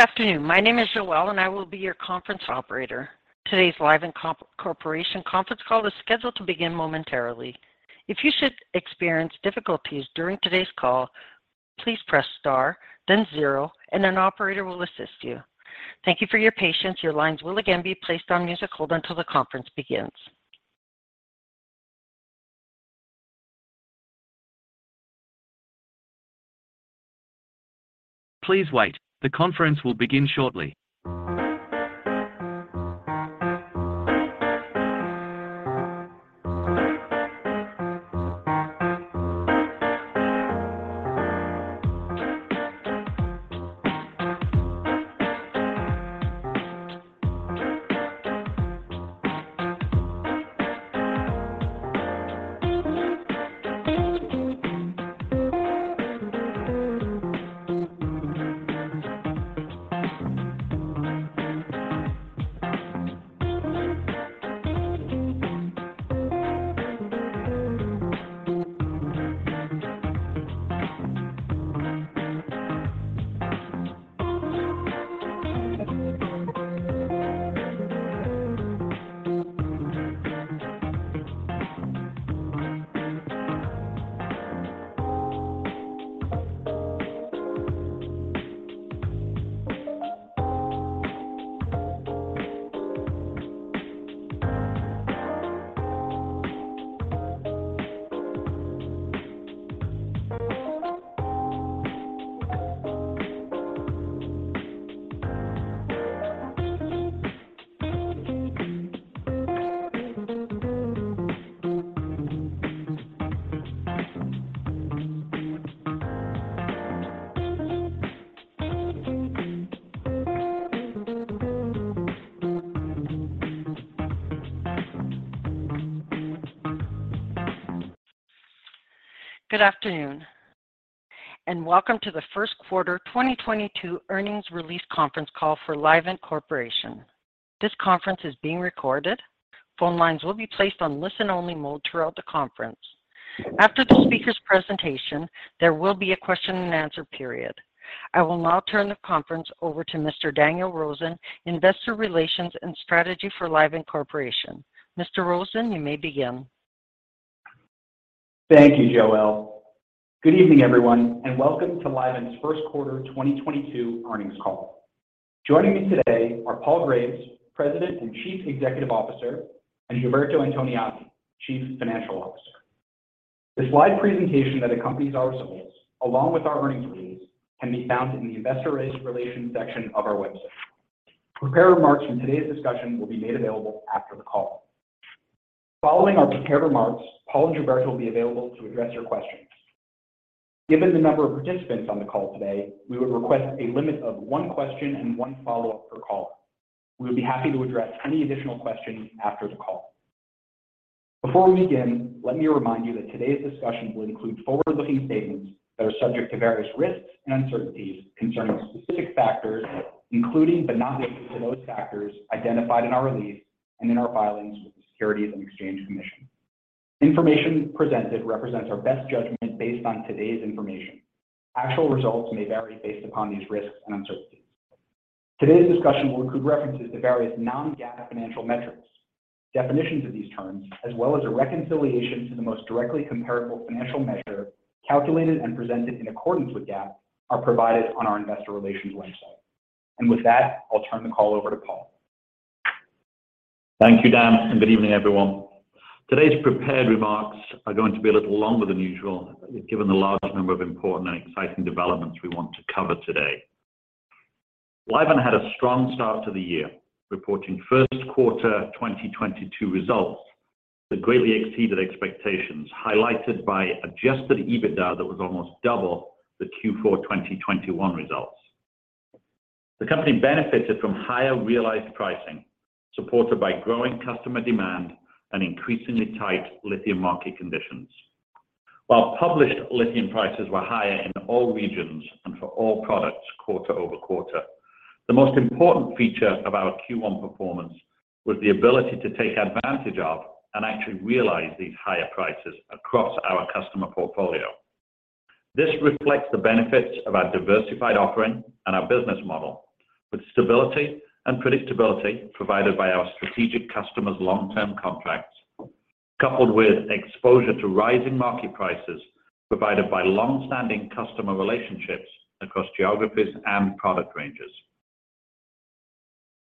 Good afternoon, and welcome to the first quarter 2022 earnings release conference call for Livent Corporation. This conference is being recorded. Phone lines will be placed on listen-only mode throughout the conference. After the speaker's presentation, there will be a question and answer period. I will now turn the conference over to Mr. Daniel Rosen, Investor Relations and Strategy for Livent Corporation. Mr. Rosen, you may begin. Thank you, Joelle. Good evening, everyone, and welcome to Livent's first quarter 2022 earnings call. Joining me today are Paul Graves, President and Chief Executive Officer, and Gilberto Antoniazzi, Chief Financial Officer. The slide presentation that accompanies our results, along with our earnings release, can be found in the Investor Relations section of our website. Prepared remarks in today's discussion will be made available after the call. Following our prepared remarks, Paul and Gilberto will be available to address your questions. Given the number of participants on the call today, we would request a limit of one question and one follow-up per caller. We would be happy to address any additional questions after the call. Before we begin, let me remind you that today's discussion will include forward-looking statements that are subject to various risks and uncertainties concerning specific factors, including but not limited to those factors identified in our release and in our filings with the Securities and Exchange Commission. Information presented represents our best judgment based on today's information. Actual results may vary based upon these risks and uncertainties. Today's discussion will include references to various non-GAAP financial metrics. Definitions of these terms, as well as a reconciliation to the most directly comparable financial measure calculated and presented in accordance with GAAP are provided on our investor relations website. With that, I'll turn the call over to Paul. Thank you, Dan, and good evening, everyone. Today's prepared remarks are going to be a little longer than usual given the large number of important and exciting developments we want to cover today. Livent had a strong start to the year, reporting first quarter 2022 results that greatly exceeded expectations, highlighted by adjusted EBITDA that was almost double the Q4 2021 results. The company benefited from higher realized pricing, supported by growing customer demand and increasingly tight lithium market conditions. While published lithium prices were higher in all regions and for all products quarter over quarter. The most important feature of our Q1 performance was the ability to take advantage of and actually realize these higher prices across our customer portfolio. This reflects the benefits of our diversified offering and our business model, with stability and predictability provided by our strategic customers' long-term contracts, coupled with exposure to rising market prices provided by long-standing customer relationships across geographies and product ranges.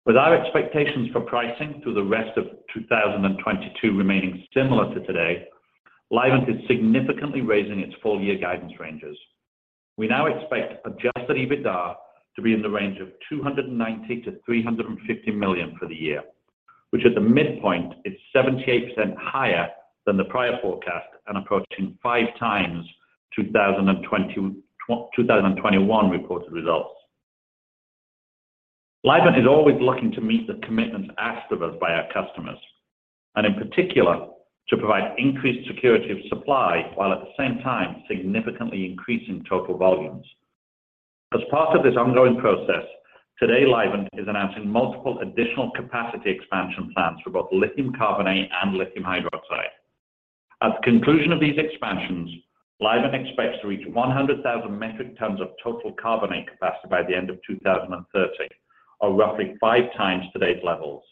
With our expectations for pricing through the rest of 2022 remaining similar to today, Livent is significantly raising its full year guidance ranges. We now expect adjusted EBITDA to be in the range of $290 million-$350 million for the year, which at the midpoint is 78% higher than the prior forecast and approaching 5x 2021 reported results. Livent is always looking to meet the commitments asked of us by our customers, and in particular, to provide increased security of supply while at the same time significantly increasing total volumes. As part of this ongoing process, today Livent is announcing multiple additional capacity expansion plans for both lithium carbonate and lithium hydroxide. At the conclusion of these expansions, Livent expects to reach 100,000 metric tons of total carbonate capacity by the end of 2030, or roughly 5x today's levels.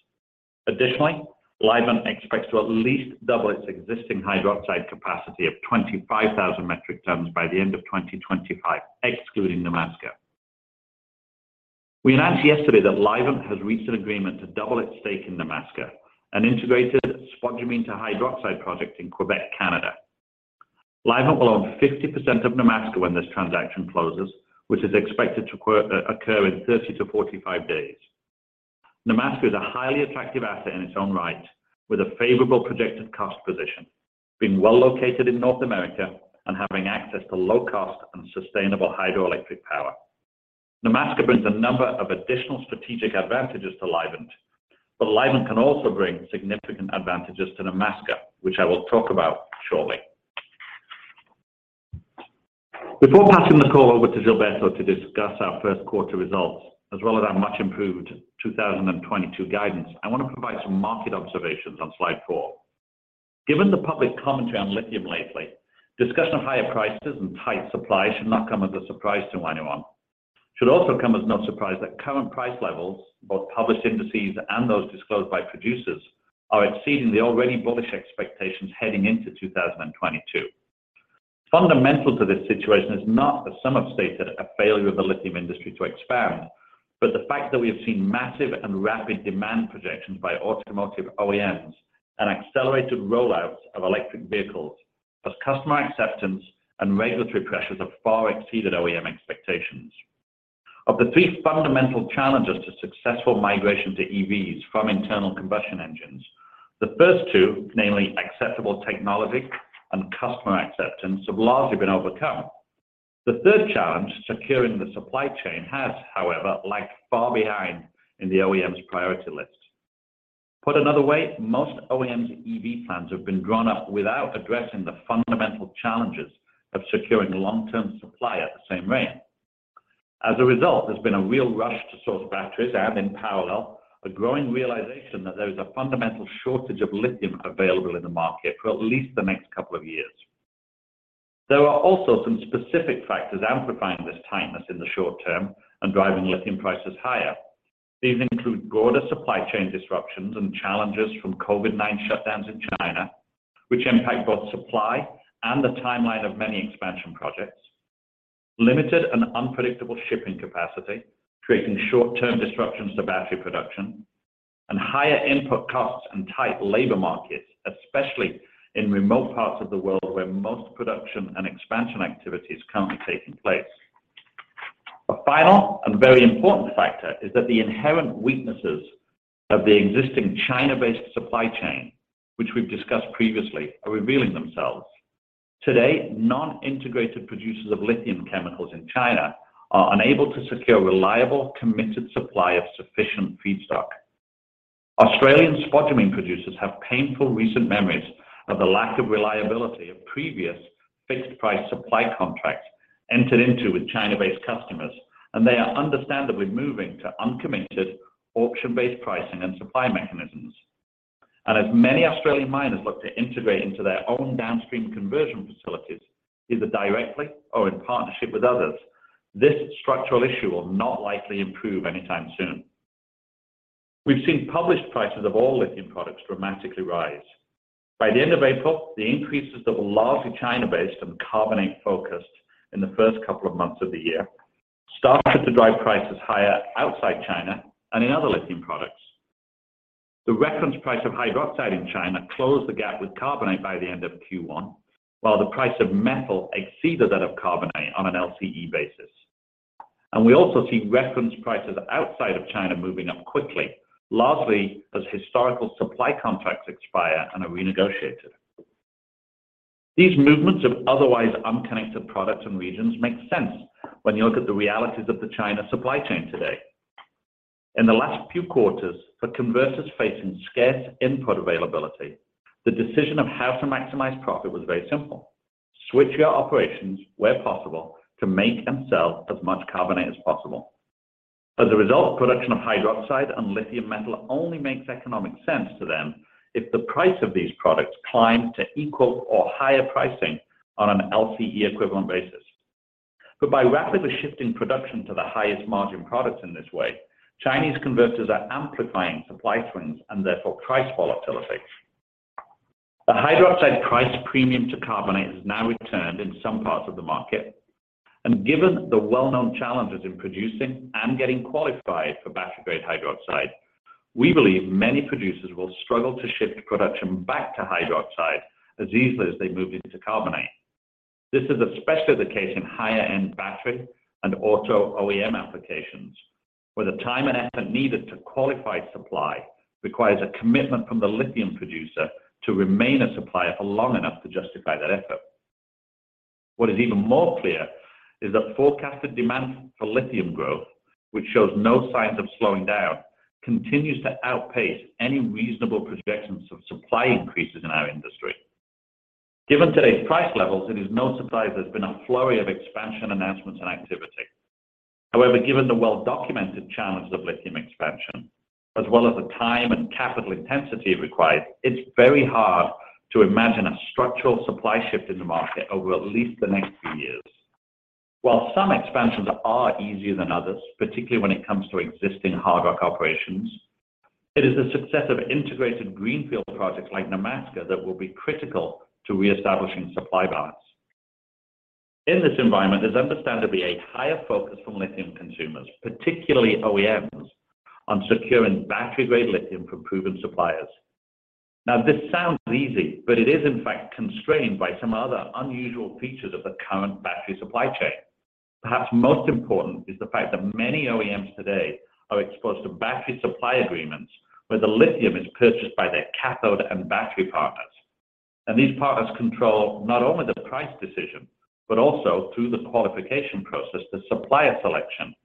Additionally, Livent expects to at least double its existing hydroxide capacity of 25,000 metric tons by the end of 2025, excluding Nemaska. We announced yesterday that Livent has reached an agreement to double its stake in Nemaska, an integrated spodumene to hydroxide project in Québec, Canada. Livent will own 50% of Nemaska when this transaction closes, which is expected to occur in 30-45 days. Nemaska is a highly attractive asset in its own right, with a favorable projected cost position, being well located in North America and having access to low cost and sustainable hydroelectric power. Nemaska brings a number of additional strategic advantages to Livent, but Livent can also bring significant advantages to Nemaska, which I will talk about shortly. Before passing the call over to Gilberto to discuss our first quarter results, as well as our much improved 2022 guidance, I want to provide some market observations on slide four. Given the public commentary on lithium lately, discussion of higher prices and tight supply should not come as a surprise to anyone. Should also come as no surprise that current price levels, both published indices and those disclosed by producers, are exceeding the already bullish expectations heading into 2022. Fundamental to this situation is not, as some have stated, a failure of the lithium industry to expand, but the fact that we have seen massive and rapid demand projections by automotive OEMs and accelerated rollouts of electric vehicles as customer acceptance and regulatory pressures have far exceeded OEM expectations. Of the three fundamental challenges to successful migration to EVs from internal combustion engines, the first two, namely acceptable technology and customer acceptance, have largely been overcome. The third challenge, securing the supply chain, has however lagged far behind in the OEMs' priority list. Put another way, most OEMs' EV plans have been drawn up without addressing the fundamental challenges of securing long term supply at the same rate. As a result, there's been a real rush to source batteries and in parallel, a growing realization that there is a fundamental shortage of lithium available in the market for at least the next couple of years. There are also some specific factors amplifying this tightness in the short term and driving lithium prices higher. These include broader supply chain disruptions and challenges from COVID-19 shutdowns in China, which impact both supply and the timeline of many expansion projects. Limited and unpredictable shipping capacity, creating short-term disruptions to battery production and higher input costs and tight labor markets, especially in remote parts of the world where most production and expansion activities currently taking place. A final and very important factor is that the inherent weaknesses of the existing China-based supply chain, which we've discussed previously, are revealing themselves. Today, non-integrated producers of lithium chemicals in China are unable to secure reliable, committed supply of sufficient feedstock. Australian spodumene producers have painful recent memories of the lack of reliability of previous fixed price supply contracts entered into with China-based customers, and they are understandably moving to uncommitted auction-based pricing and supply mechanisms. As many Australian miners look to integrate into their own downstream conversion facilities, either directly or in partnership with others, this structural issue will not likely improve anytime soon. We've seen published prices of all lithium products dramatically rise. By the end of April, the increases that were largely China-based and carbonate-focused in the first couple of months of the year started to drive prices higher outside China and in other lithium products. The reference price of hydroxide in China closed the gap with carbonate by the end of Q1, while the price of metal exceeded that of carbonate on an LCE basis. We also see reference prices outside of China moving up quickly, largely as historical supply contracts expire and are renegotiated. These movements of otherwise unconnected products and regions make sense when you look at the realities of the China supply chain today. In the last few quarters, for converters facing scarce input availability, the decision of how to maximize profit was very simple: switch your operations where possible to make and sell as much carbonate as possible. As a result, production of hydroxide and lithium metal only makes economic sense to them if the price of these products climb to equal or higher pricing on an LCE equivalent basis. By rapidly shifting production to the highest margin products in this way, Chinese converters are amplifying supply swings and therefore price volatility. The hydroxide price premium to carbonate has now returned in some parts of the market. Given the well-known challenges in producing and getting qualified for battery-grade hydroxide, we believe many producers will struggle to shift production back to hydroxide as easily as they moved into carbonate. This is especially the case in higher-end battery and auto OEM applications, where the time and effort needed to qualify supply requires a commitment from the lithium producer to remain a supplier for long enough to justify that effort. What is even more clear is that forecasted demand for lithium growth, which shows no signs of slowing down, continues to outpace any reasonable projections of supply increases in our industry. Given today's price levels, it is no surprise there's been a flurry of expansion announcements and activity. However, given the well-documented challenge of lithium expansion, as well as the time and capital intensity required, it's very hard to imagine a structural supply shift in the market over at least the next few years. While some expansions are easier than others, particularly when it comes to existing hard rock operations, it is the success of integrated greenfield projects like Nemaska that will be critical to reestablishing supply balance. In this environment, there's understandably a higher focus from lithium consumers, particularly OEMs, on securing battery-grade lithium from proven suppliers. Now, this sounds easy, but it is in fact constrained by some other unusual features of the current battery supply chain. Perhaps most important is the fact that many OEMs today are exposed to battery supply agreements where the lithium is purchased by their cathode and battery partners. These partners control not only the price decision, but also through the qualification process, the supplier selection.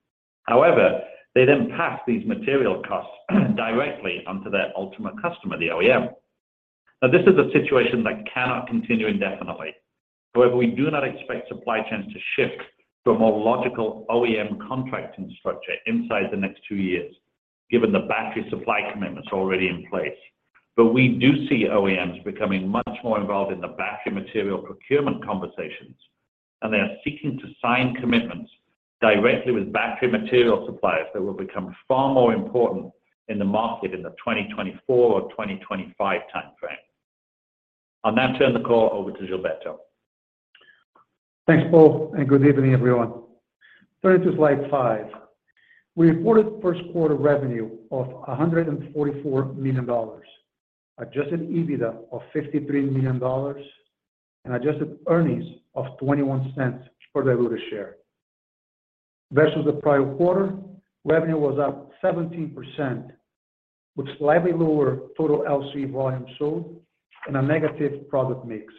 However, they then pass these material costs directly onto their ultimate customer, the OEM. Now, this is a situation that cannot continue indefinitely. However, we do not expect supply chains to shift to a more logical OEM contracting structure inside the next two years, given the battery supply commitments already in place. We do see OEMs becoming much more involved in the battery material procurement conversations, and they are seeking to sign commitments directly with battery material suppliers that will become far more important in the market in the 2024 or 2025 timeframe. I'll now turn the call over to Gilberto. Thanks, Paul, and good evening, everyone. Turning to slide five. We reported first quarter revenue of $144 million, adjusted EBITDA of $53 million, and adjusted earnings of $0.21 per diluted share. Versus the prior quarter, revenue was up 17%, with slightly lower total LCE volume sold and a negative product mix,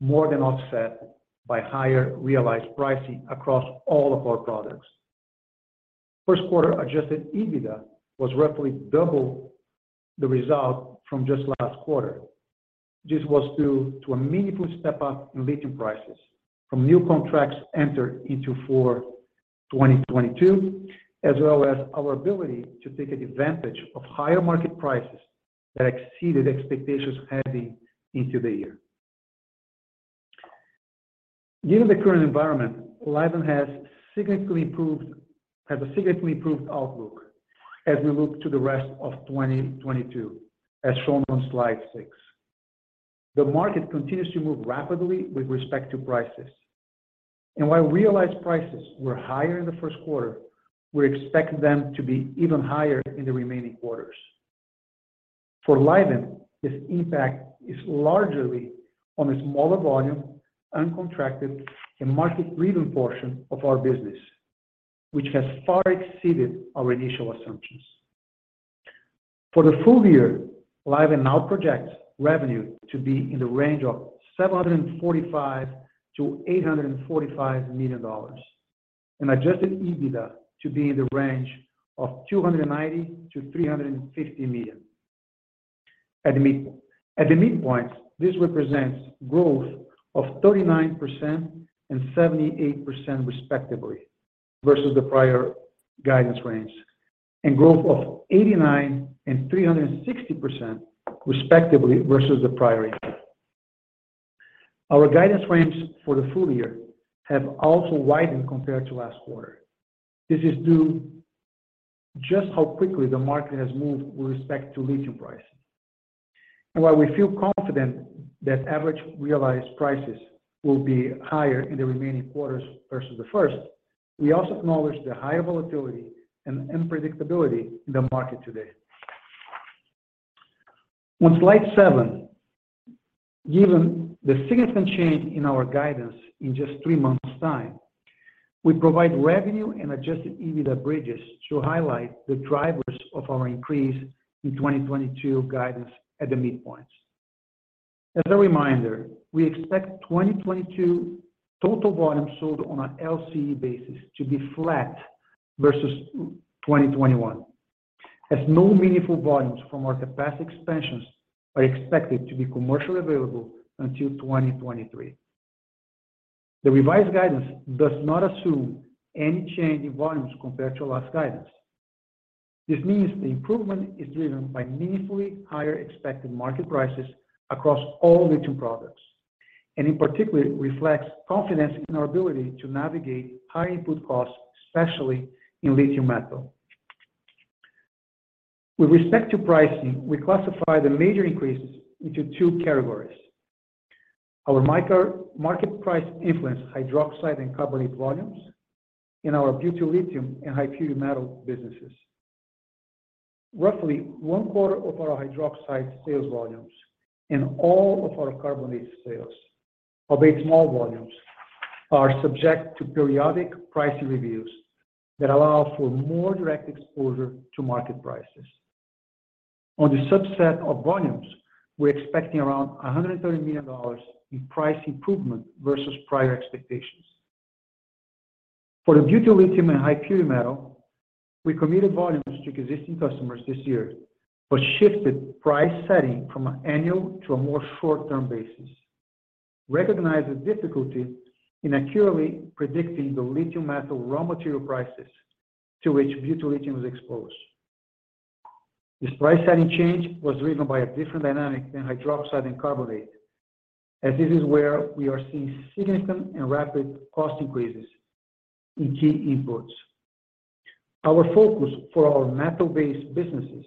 more than offset by higher realized pricing across all of our products. First quarter adjusted EBITDA was roughly double the result from just last quarter. This was due to a meaningful step-up in lithium prices from new contracts entered into for 2022, as well as our ability to take advantage of higher market prices that exceeded expectations heading into the year. Given the current environment, Livent has significantly improved, has a significantly improved outlook as we look to the rest of 2022, as shown on slide six. The market continues to move rapidly with respect to prices. While realized prices were higher in the first quarter, we expect them to be even higher in the remaining quarters. For Livent, this impact is largely on a smaller volume, uncontracted, and market-leading portion of our business, which has far exceeded our initial assumptions. For the full year, Livent now projects revenue to be in the range of $745 million-$845 million, and adjusted EBITDA to be in the range of $290 million-$350 million. At the midpoint, this represents growth of 39% and 78% respectively versus the prior guidance range, and growth of 89% and 360% respectively versus the prior year. Our guidance ranges for the full year have also widened compared to last quarter. This is due just how quickly the market has moved with respect to lithium prices. While we feel confident that average realized prices will be higher in the remaining quarters versus the first, we also acknowledge the higher volatility and unpredictability in the market today. On slide seven, given the significant change in our guidance in just three months' time, we provide revenue and adjusted EBITDA bridges to highlight the drivers of our increase in 2022 guidance at the midpoints. As a reminder, we expect 2022 total volume sold on an LCE basis to be flat versus 2021, as no meaningful volumes from our capacity expansions are expected to be commercially available until 2023. The revised guidance does not assume any change in volumes compared to our last guidance. This means the improvement is driven by meaningfully higher expected market prices across all lithium products, and in particular, it reflects confidence in our ability to navigate high input costs, especially in lithium metal. With respect to pricing, we classify the major increases into two categories. Our market prices influence hydroxide and carbonate volumes in our battery lithium and high-purity metal businesses. Roughly one-quarter of our hydroxide sales volumes and all of our carbonate sales, albeit small volumes, are subject to periodic pricing reviews that allow for more direct exposure to market prices. On the subset of volumes, we're expecting around $130 million in price improvement versus prior expectations. For the butyl lithium and high-purity metal, we committed volumes to existing customers this year, but shifted price setting from annual to a more short-term basis. Recognize the difficulty in accurately predicting the lithium metal raw material prices to which butyllithium is exposed. This price setting change was driven by a different dynamic than hydroxide and carbonate, as this is where we are seeing significant and rapid cost increases in key inputs. Our focus for our metal-based businesses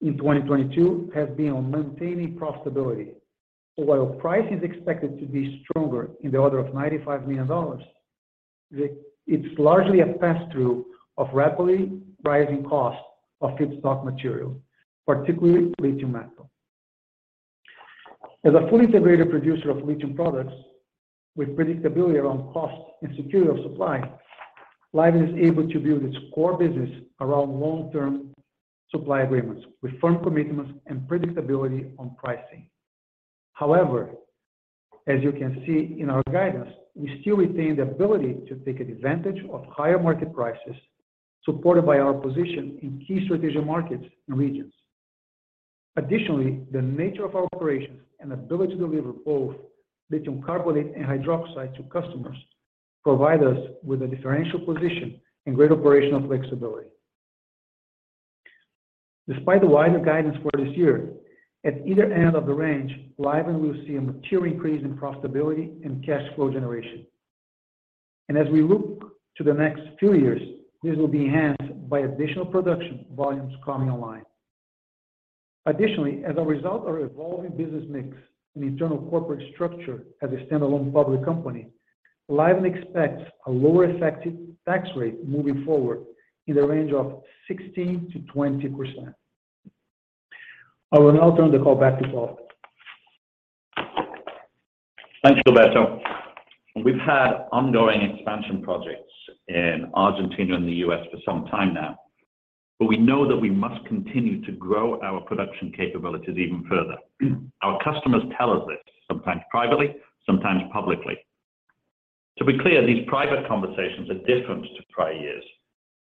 in 2022 has been on maintaining profitability. While price is expected to be stronger in the order of $95 million, it's largely a pass-through of rapidly rising costs of feedstock material, particularly lithium metal. As a fully integrated producer of lithium products with predictability around cost and security of supply, Livent is able to build its core business around long-term supply agreements with firm commitments and predictability on pricing. However, as you can see in our guidance, we still retain the ability to take advantage of higher market prices supported by our position in key strategic markets and regions. Additionally, the nature of our operations and ability to deliver both lithium carbonate and hydroxide to customers provide us with a differential position and great operational flexibility. Despite the wider guidance for this year, at either end of the range, Livent will see a material increase in profitability and cash flow generation. As we look to the next few years, this will be enhanced by additional production volumes coming online. Additionally, as a result of our evolving business mix and internal corporate structure as a standalone public company, Livent expects a lower effective tax rate moving forward in the range of 16%-20%. I will now turn the call back to Paul. Thanks, Gilberto. We've had ongoing expansion projects in Argentina and the U.S. for some time now, but we know that we must continue to grow our production capabilities even further. Our customers tell us this sometimes privately, sometimes publicly. To be clear, these private conversations are different to prior years,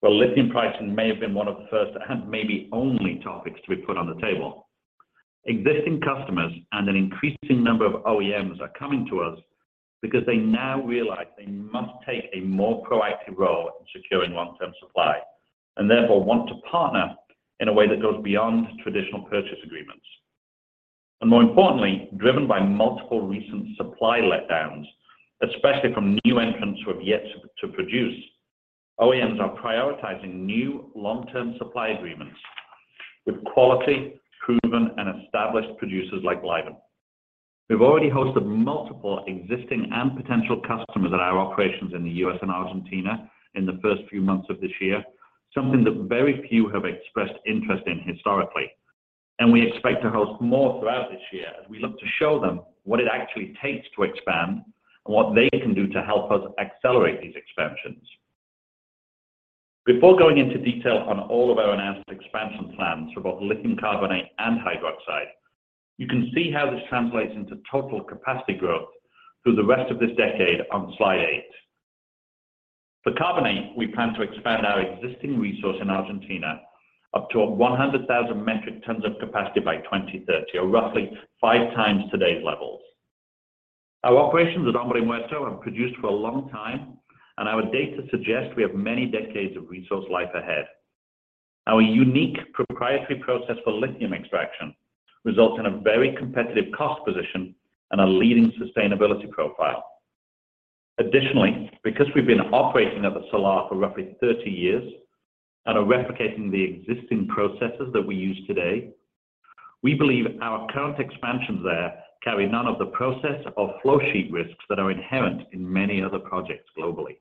where lithium pricing may have been one of the first and maybe only topics to be put on the table. Existing customers and an increasing number of OEMs are coming to us because they now realize they must take a more proactive role in securing long-term supply, and therefore want to partner in a way that goes beyond traditional purchase agreements. More importantly, driven by multiple recent supply letdowns, especially from new entrants who have yet to produce, OEMs are prioritizing new long-term supply agreements with quality, proven, and established producers like Livent. We've already hosted multiple existing and potential customers at our operations in the U.S. and Argentina in the first few months of this year, something that very few have expressed interest in historically. We expect to host more throughout this year as we look to show them what it actually takes to expand and what they can do to help us accelerate these expansions. Before going into detail on all of our announced expansion plans for both lithium carbonate and hydroxide, you can see how this translates into total capacity growth through the rest of this decade on slide eight. For carbonate, we plan to expand our existing resource in Argentina up to 100,000 metric tons of capacity by 2030, or roughly 5x today's levels. Our operations at Salar de Hombre Muerto have produced for a long time, and our data suggest we have many decades of resource life ahead. Our unique proprietary process for lithium extraction results in a very competitive cost position and a leading sustainability profile. Additionally, because we've been operating at the Salar for roughly 30 years and are replicating the existing processes that we use today, we believe our current expansions there carry none of the process or flow sheet risks that are inherent in many other projects globally.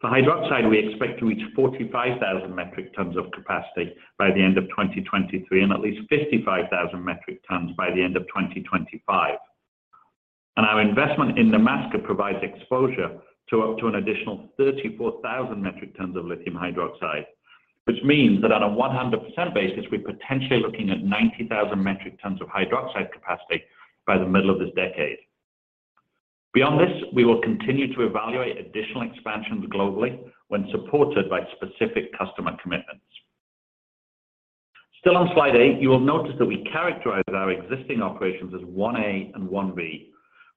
For hydroxide, we expect to reach 45,000 metric tons of capacity by the end of 2023 and at least 55,000 metric tons by the end of 2025. Our investment in Nemaska provides exposure to up to an additional 34,000 metric tons of lithium hydroxide, which means that on a 100% basis, we're potentially looking at 90,000 metric tons of hydroxide capacity by the middle of this decade. Beyond this, we will continue to evaluate additional expansions globally when supported by specific customer commitments. Still on slide eight, you will notice that we characterize our existing operations as 1A and 1B,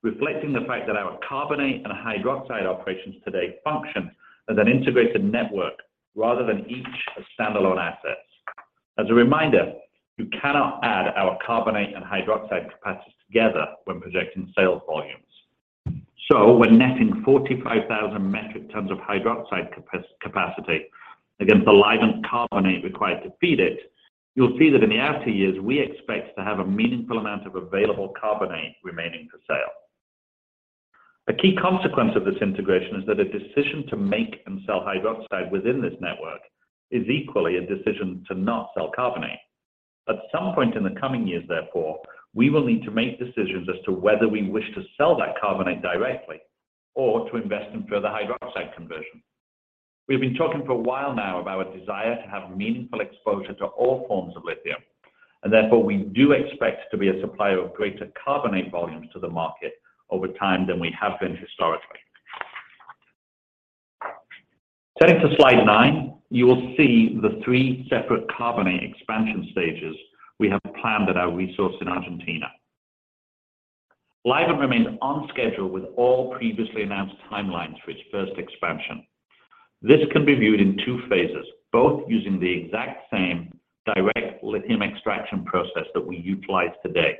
reflecting the fact that our carbonate and hydroxide operations today function as an integrated network rather than each standalone assets. As a reminder, you cannot add our carbonate and hydroxide capacities together when projecting sales volumes. When netting 45,000 metric tons of hydroxide capacity against the Livent carbonate required to feed it, you'll see that in the out years, we expect to have a meaningful amount of available carbonate remaining for sale. A key consequence of this integration is that a decision to make and sell hydroxide within this network is equally a decision to not sell carbonate. At some point in the coming years, therefore, we will need to make decisions as to whether we wish to sell that carbonate directly or to invest in further hydroxide conversion. We've been talking for a while now of our desire to have meaningful exposure to all forms of lithium, and therefore, we do expect to be a supplier of greater carbonate volumes to the market over time than we have been historically. Turning to slide nine, you will see the three separate carbonate expansion stages we have planned at our resource in Argentina. Livent remains on schedule with all previously announced timelines for its first expansion. This can be viewed in two phases, both using the exact same direct lithium extraction process that we utilize today.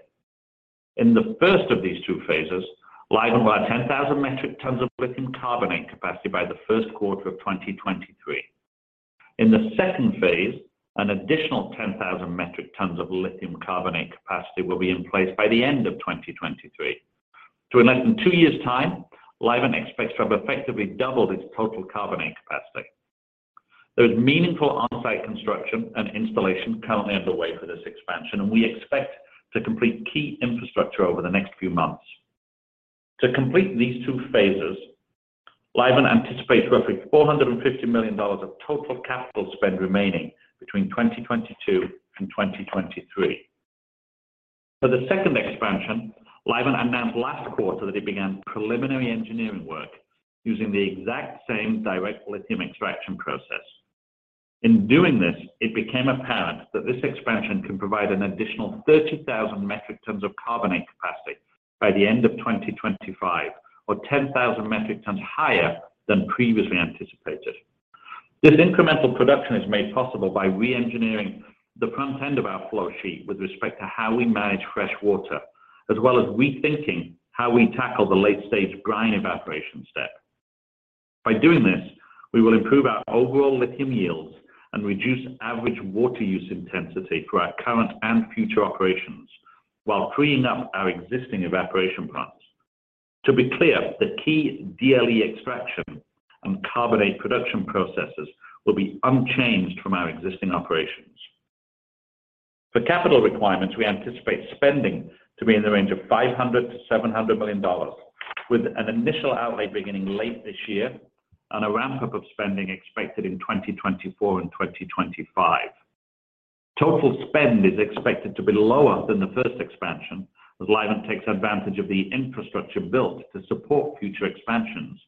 In the first of these two phases, Livent will add 10,000 metric tons of lithium carbonate capacity by the first quarter of 2023. In the second phase, an additional 10,000 metric tons of lithium carbonate capacity will be in place by the end of 2023. In less than two years' time, Livent expects to have effectively doubled its total carbonate capacity. There is meaningful on-site construction and installation currently underway for this expansion, and we expect to complete key infrastructure over the next few months. To complete these two phases, Livent anticipates roughly $450 million of total capital spend remaining between 2022 and 2023. For the second expansion, Livent announced last quarter that it began preliminary engineering work using the exact same direct lithium extraction process. In doing this, it became apparent that this expansion can provide an additional 30,000 metric tons of carbonate capacity by the end of 2025 or 10,000 metric tons higher than previously anticipated. This incremental production is made possible by re-engineering the front end of our flow sheet with respect to how we manage fresh water, as well as rethinking how we tackle the late stage brine evaporation step. By doing this, we will improve our overall lithium yields and reduce average water use intensity for our current and future operations while freeing up our existing evaporation plants. To be clear, the key DLE extraction and carbonate production processes will be unchanged from our existing operations. For capital requirements, we anticipate spending to be in the range of $500 million-$700 million, with an initial outlay beginning late this year and a ramp-up of spending expected in 2024 and 2025. Total spend is expected to be lower than the first expansion as Livent takes advantage of the infrastructure built to support future expansions.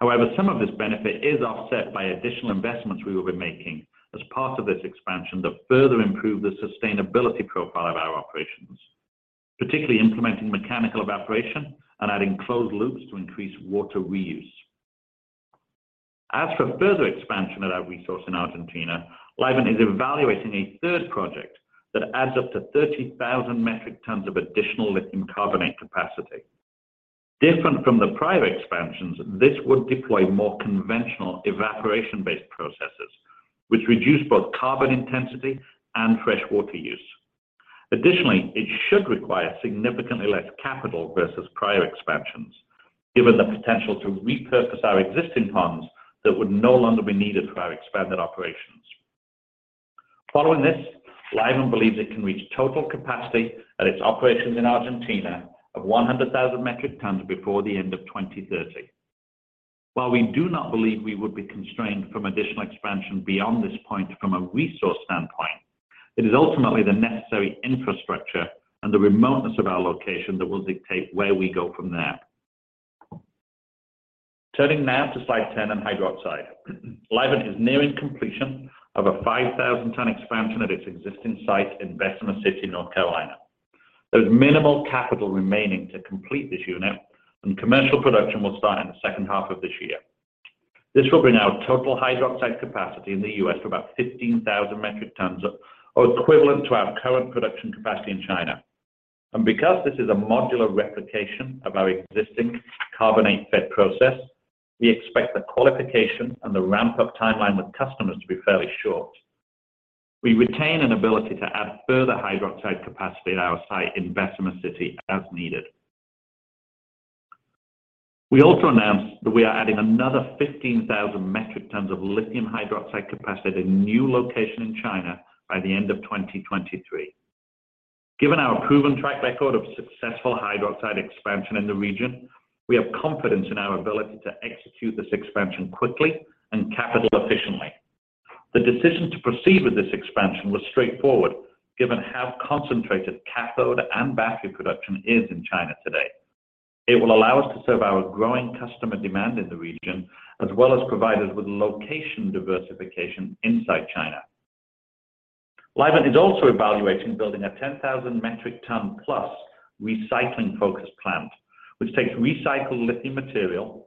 However, some of this benefit is offset by additional investments we will be making as part of this expansion that further improve the sustainability profile of our operations, particularly implementing mechanical evaporation and adding closed loops to increase water reuse. As for further expansion of that resource in Argentina, Livent is evaluating a third project that adds up to 30,000 metric tons of additional lithium carbonate capacity. Different from the prior expansions, this would deploy more conventional evaporation-based processes which reduce both carbon intensity and fresh water use. Additionally, it should require significantly less capital versus prior expansions, given the potential to repurpose our existing ponds that would no longer be needed for our expanded operations. Following this, Livent believes it can reach total capacity at its operations in Argentina of 100,000 metric tons before the end of 2030. While we do not believe we would be constrained from additional expansion beyond this point from a resource standpoint, it is ultimately the necessary infrastructure and the remoteness of our location that will dictate where we go from there. Turning now to slide 10 on hydroxide. Livent is nearing completion of a 5,000-ton expansion at its existing site in Bessemer City, North Carolina. There's minimal capital remaining to complete this unit, and commercial production will start in the second half of this year. This will bring our total hydroxide capacity in the U.S. to about 15,000 metric tons or equivalent to our current production capacity in China. Because this is a modular replication of our existing carbonate fed process, we expect the qualification and the ramp-up timeline with customers to be fairly short. We retain an ability to add further hydroxide capacity at our site in Bessemer City as needed. We also announced that we are adding another 15,000 metric tons of lithium hydroxide capacity at a new location in China by the end of 2023. Given our proven track record of successful hydroxide expansion in the region, we have confidence in our ability to execute this expansion quickly and capital efficiently. The decision to proceed with this expansion was straightforward given how concentrated cathode and battery production is in China today. It will allow us to serve our growing customer demand in the region as well as provide us with location diversification inside China. Livent is also evaluating building a 10,000 metric ton+ recycling-focused plant, which takes recycled lithium material,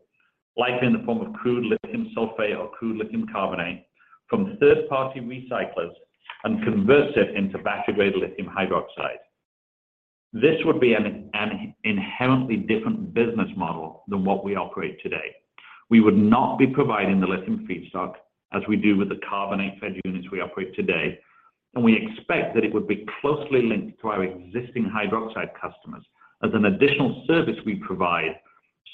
likely in the form of crude lithium sulfate or crude lithium carbonate, from third-party recyclers and converts it into battery-grade lithium hydroxide. This would be an inherently different business model than what we operate today. We would not be providing the lithium feedstock as we do with the carbonate fed units we operate today, and we expect that it would be closely linked to our existing hydroxide customers as an additional service we provide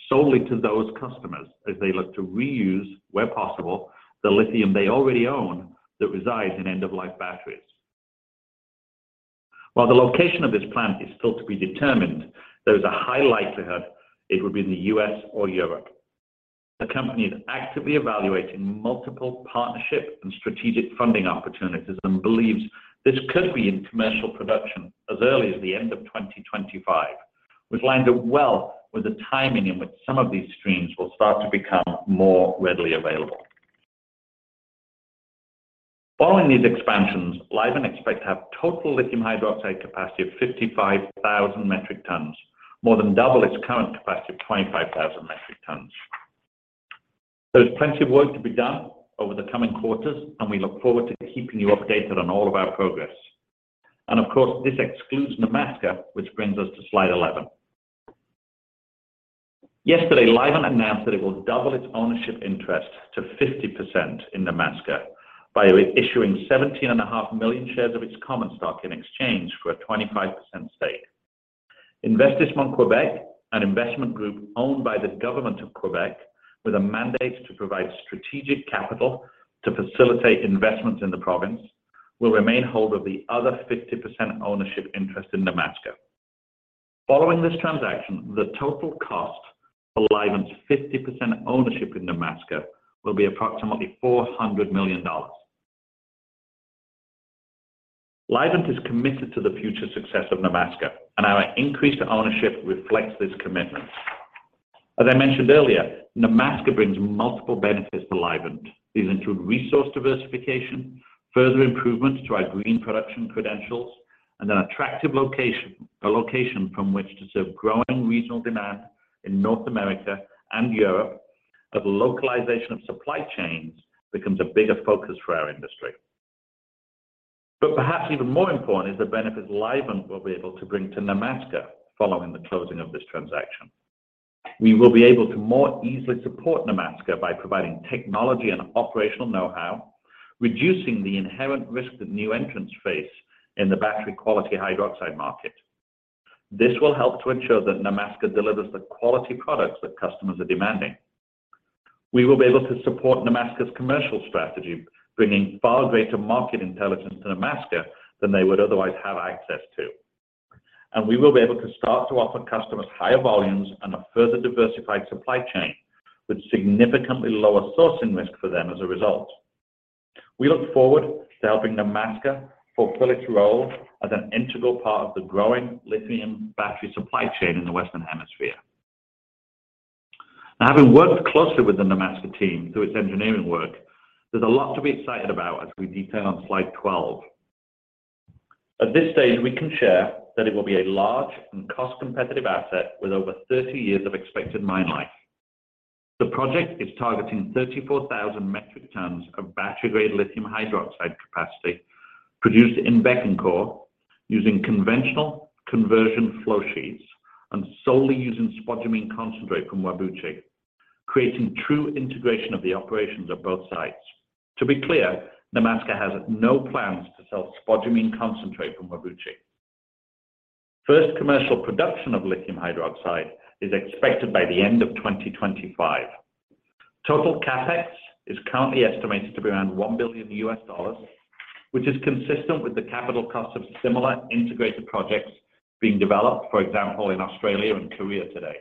solely to those customers as they look to reuse, where possible, the lithium they already own that resides in end-of-life batteries. While the location of this plant is still to be determined, there is a high likelihood it would be in the U.S. or Europe. The company is actively evaluating multiple partnership and strategic funding opportunities and believes this could be in commercial production as early as the end of 2025. Which lines up well with the timing in which some of these streams will start to become more readily available. Following these expansions, Livent expects to have total lithium hydroxide capacity of 55,000 metric tons, more than double its current capacity of 25,000 metric tons. There's plenty of work to be done over the coming quarters, and we look forward to keeping you updated on all of our progress. Of course, this excludes Nemaska, which brings us to slide eleven. Yesterday, Livent announced that it will double its ownership interest to 50% in Nemaska by issuing 17.5 million shares of its common stock in exchange for a 25% stake. Investissement Québec, an investment group owned by the government of Québec with a mandate to provide strategic capital to facilitate investments in the province, will remain holder of the other 50% ownership interest in Nemaska. Following this transaction, the total cost for Livent's 50% ownership in Nemaska will be approximately $400 million. Livent is committed to the future success of Nemaska, and our increased ownership reflects this commitment. As I mentioned earlier, Nemaska brings multiple benefits to Livent. These include resource diversification, further improvements to our green production credentials, and an attractive location, a location from which to serve growing regional demand in North America and Europe as localization of supply chains becomes a bigger focus for our industry. Perhaps even more important is the benefits Livent will be able to bring to Nemaska following the closing of this transaction. We will be able to more easily support Nemaska by providing technology and operational know-how, reducing the inherent risk that new entrants face in the battery quality hydroxide market. This will help to ensure that Nemaska delivers the quality products that customers are demanding. We will be able to support Nemaska's commercial strategy, bringing far greater market intelligence to Nemaska than they would otherwise have access to. We will be able to start to offer customers higher volumes and a further diversified supply chain with significantly lower sourcing risk for them as a result. We look forward to helping Nemaska fulfill its role as an integral part of the growing lithium battery supply chain in the Western Hemisphere. Now having worked closely with the Nemaska team through its engineering work, there's a lot to be excited about as we detail on slide 12. At this stage, we can share that it will be a large and cost-competitive asset with over 30 years of expected mine life. The project is targeting 34,000 metric tons of battery-grade lithium hydroxide capacity produced in Bécancour using conventional conversion flowsheets and solely using spodumene concentrate from Whabouchi, creating true integration of the operations at both sites. To be clear, Nemaska has no plans to sell spodumene concentrate from Whabouchi. First commercial production of lithium hydroxide is expected by the end of 2025. Total CapEx is currently estimated to be around $1 billion, which is consistent with the capital costs of similar integrated projects being developed, for example, in Australia and Korea today.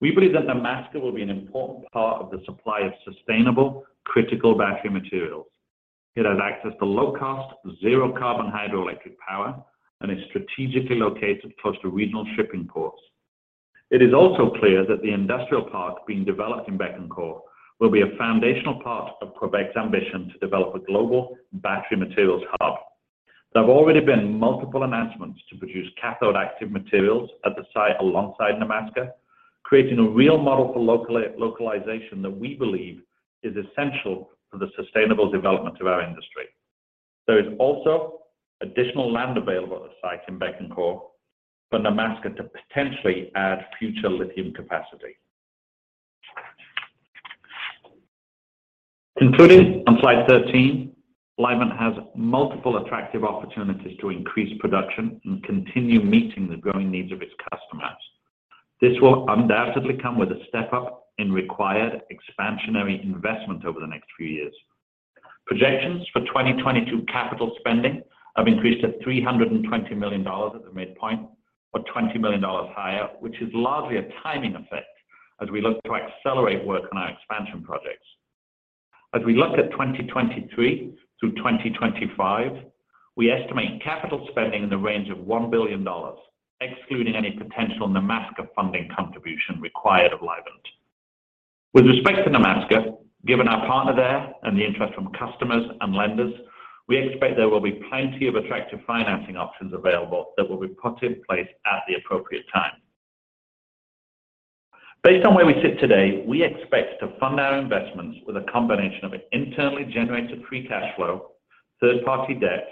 We believe that Nemaska will be an important part of the supply of sustainable, critical battery materials. It has access to low-cost, zero-carbon hydroelectric power and is strategically located close to regional shipping ports. It is also clear that the industrial park being developed in Bécancour will be a foundational part of Québec's ambition to develop a global battery materials hub. There have already been multiple announcements to produce cathode active materials at the site alongside Nemaska, creating a real model for localization that we believe is essential for the sustainable development of our industry. There is also additional land available at the site in Bécancour for Nemaska to potentially add future lithium capacity. Concluding on slide 13, Livent has multiple attractive opportunities to increase production and continue meeting the growing needs of its customers. This will undoubtedly come with a step up in required expansionary investment over the next few years. Projections for 2022 capital spending have increased to $320 million at the midpoint, or $20 million higher, which is largely a timing effect as we look to accelerate work on our expansion projects. As we look at 2023 through 2025, we estimate capital spending in the range of $1 billion, excluding any potential Nemaska funding contribution required of Livent. With respect to Nemaska, given our partner there and the interest from customers and lenders, we expect there will be plenty of attractive financing options available that will be put in place at the appropriate time. Based on where we sit today, we expect to fund our investments with a combination of internally generated free cash flow, third-party debt,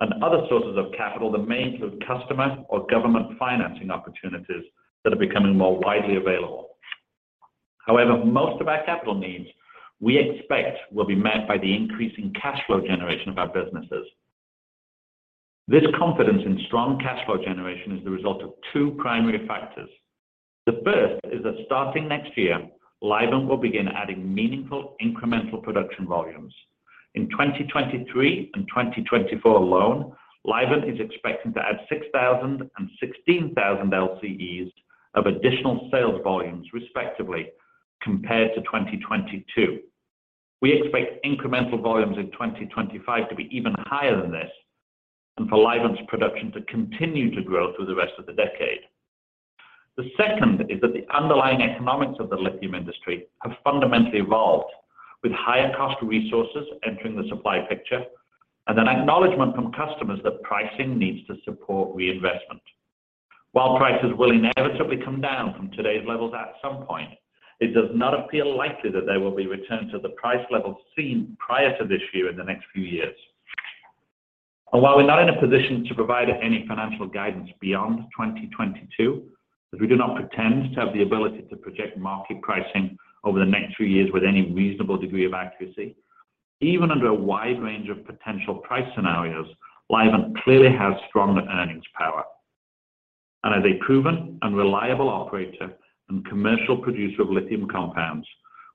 and other sources of capital that may include customer or government financing opportunities that are becoming more widely available. However, most of our capital needs we expect will be met by the increasing cash flow generation of our businesses. This confidence in strong cash flow generation is the result of two primary factors. The first is that starting next year, Livent will begin adding meaningful incremental production volumes. In 2023 and 2024 alone, Livent is expecting to add 6,000 and 16,000 LCEs of additional sales volumes respectively compared to 2022. We expect incremental volumes in 2025 to be even higher than this and for Livent's production to continue to grow through the rest of the decade. The second is that the underlying economics of the lithium industry have fundamentally evolved with higher cost resources entering the supply picture and an acknowledgement from customers that pricing needs to support reinvestment. While prices will inevitably come down from today's levels at some point, it does not appear likely that they will be returned to the price levels seen prior to this year in the next few years. While we're not in a position to provide any financial guidance beyond 2022, as we do not pretend to have the ability to project market pricing over the next few years with any reasonable degree of accuracy, even under a wide range of potential price scenarios, Livent clearly has strong earnings power. As a proven and reliable operator and commercial producer of lithium compounds,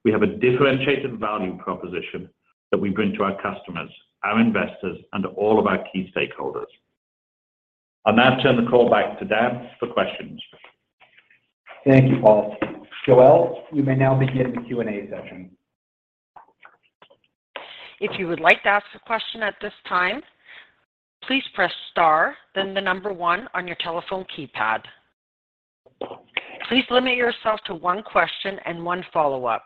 we have a differentiated value proposition that we bring to our customers, our investors, and all of our key stakeholders. I'll now turn the call back to Dan for questions. Thank you, Paul. Joelle, we may now begin the Q&A session. If you would like to ask a question at this time, please press star, then the number one on your telephone keypad. Please limit yourself to one question and one follow-up.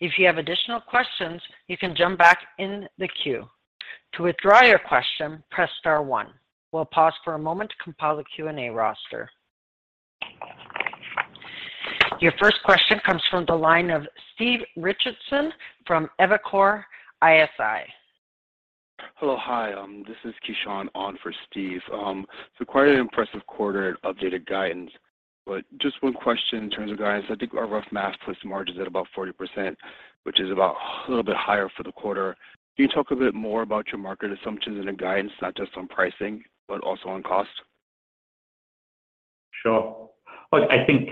If you have additional questions, you can jump back in the queue. To withdraw your question, press star one. We'll pause for a moment to compile a Q&A roster. Your first question comes from the line of Steve Richardson from Evercore ISI. Hello. Hi, this is Kiesean on for Steve. Quite an impressive quarter and updated guidance. Just one question in terms of guidance. I think our rough math puts margins at about 40%, which is about a little bit higher for the quarter. Can you talk a bit more about your market assumptions and the guidance, not just on pricing, but also on cost? Sure. Look, I think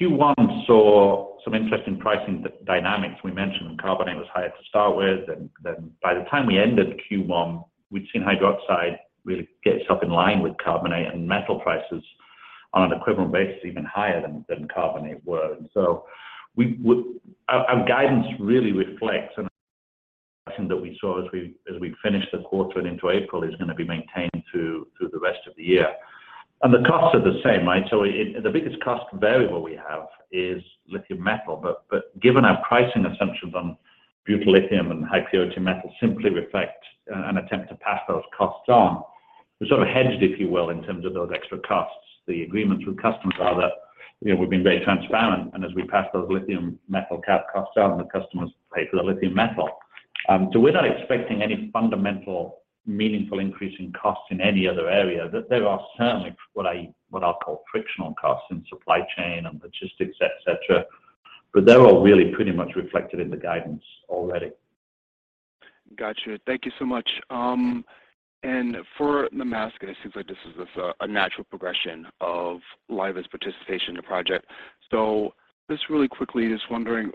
Q1 saw some interesting pricing dynamics. We mentioned carbonate was higher to start with, and then by the time we ended Q1, we'd seen hydroxide really get itself in line with carbonate and metal prices on an equivalent basis even higher than carbonate were. Our guidance really reflects that we saw as we finished the quarter and into April is gonna be maintained through the rest of the year. The costs are the same, right? The biggest cost variable we have is lithium metal. But given our pricing assumptions on butyllithium and high purity metal simply reflect an attempt to pass those costs on. We're sort of hedged, if you will, in terms of those extra costs. The agreements with customers are that we've been very transparent, and as we pass those lithium metal raw material costs on, the customers pay for the lithium metal. We're not expecting any fundamental meaningful increase in costs in any other area. That there are certainly what I'll call frictional costs in supply chain and logistics, et cetera, but they're all really pretty much reflected in the guidance already. Got you. Thank you so much. For Nemaska, it seems like this is just a natural progression of Livent's participation in the project. Just really quickly, wondering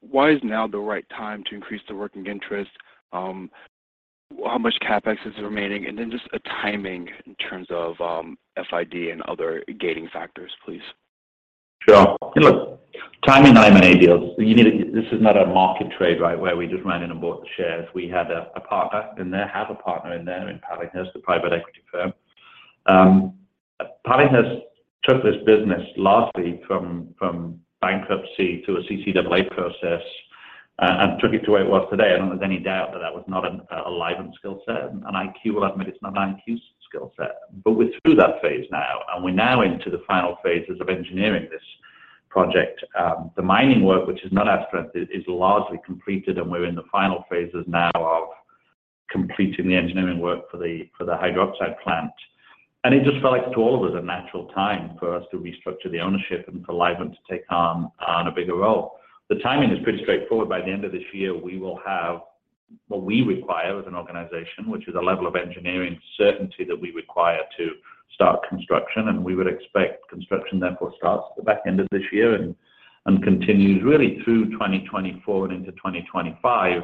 why is now the right time to increase the working interest? How much CapEx is remaining? Then just a timing in terms of FID and other gating factors, please. Sure. Look, timing deals. This is not a market trade, right, where we just ran in and bought the shares. We had a partner in there in Pallinghurst, the private equity firm. Pallinghurst took this business largely from bankruptcy to a CCAA process, and took it to where it was today. I don't think there's any doubt that that was not a Livent skill set. IQ will admit it's not an IQ skill set. We're through that phase now, and we're now into the final phases of engineering this project. The mining work, which is not our strength, is largely completed, and we're in the final phases now of completing the engineering work for the hydroxide plant. It just felt like to all of us a natural time for us to restructure the ownership and for Livent to take on a bigger role. The timing is pretty straightforward. By the end of this year, we will have what we require as an organization, which is a level of engineering certainty that we require to start construction. We would expect construction therefore starts at the back end of this year and continues really through 2024 and into 2025,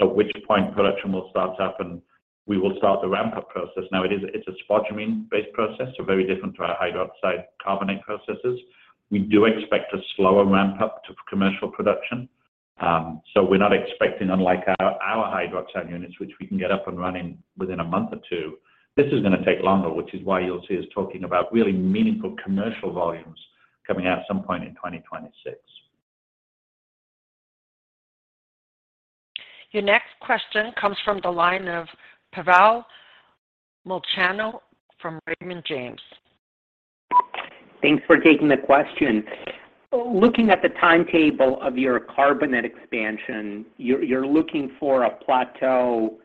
at which point production will start up and we will start the ramp-up process. Now it's a spodumene-based process, so very different to our hydroxide carbonate processes. We do expect a slower ramp-up to commercial production, so we're not expecting unlike our hydroxide units, which we can get up and running within a month or two. This is gonna take longer, which is why you'll see us talking about really meaningful commercial volumes coming out at some point in 2026. Your next question comes from the line of Pavel Molchanov from Raymond James. Thanks for taking the question. Looking at the timetable of your carbonate expansion, you're looking for a plateau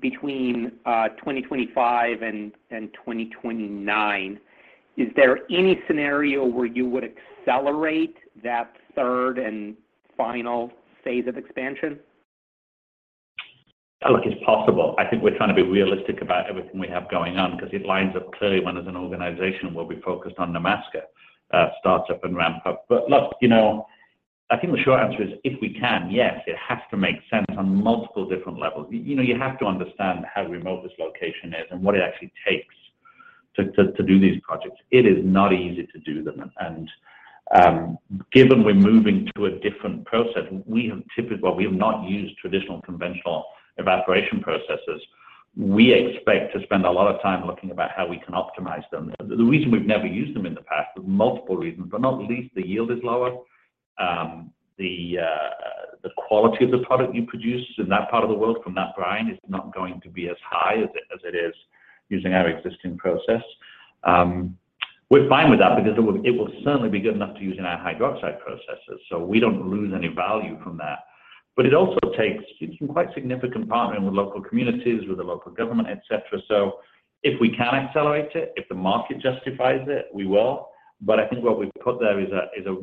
between 2025 and 2029. Is there any scenario where you would accelerate that third and final phase of expansion? Look, it's possible. I think we're trying to be realistic about everything we have going on because it lines up clearly when, as an organization, where we're focused on Nemaska startup and ramp up. Look I think the short answer is if we can, yes. It has to make sense on multiple different levels. You have to understand how remote this location is and what it actually takes to do these projects. It is not easy to do them. Given we're moving to a different process, we have not used traditional conventional evaporation processes. We expect to spend a lot of time looking at how we can optimize them. The reason we've never used them in the past, there's multiple reasons, but not least the yield is lower. The quality of the product you produce in that part of the world from that brine is not going to be as high as it is using our existing process. We're fine with that because it will certainly be good enough to use in our hydroxide processes, so we don't lose any value from that. It also takes quite significant partnering with local communities, with the local government, et cetera. If we can accelerate it, if the market justifies it, we will. I think what we've put there is a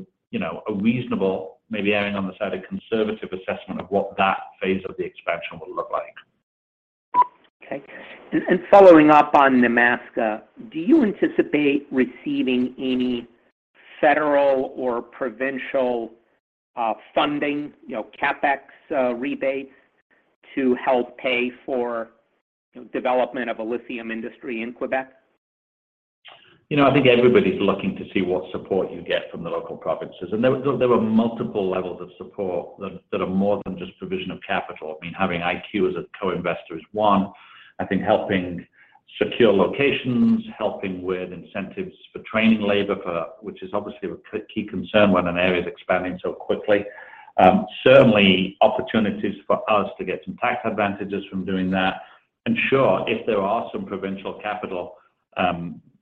reasonable maybe erring on the side of conservative assessment of what that phase of the expansion will look like. Okay. Following up on Nemaska, do you anticipate receiving any federal or provincial funding, CapEx rebates to help pay for development of a lithium industry in Québec? I think everybody's looking to see what support you get from the local provinces. There were multiple levels of support that are more than just provision of capital. I mean, having IQ as a co-investor is one. I think helping secure locations, helping with incentives for training labor, which is obviously a key concern when an area is expanding so quickly. Certainly opportunities for us to get some tax advantages from doing that. Sure, if there are some provincial capital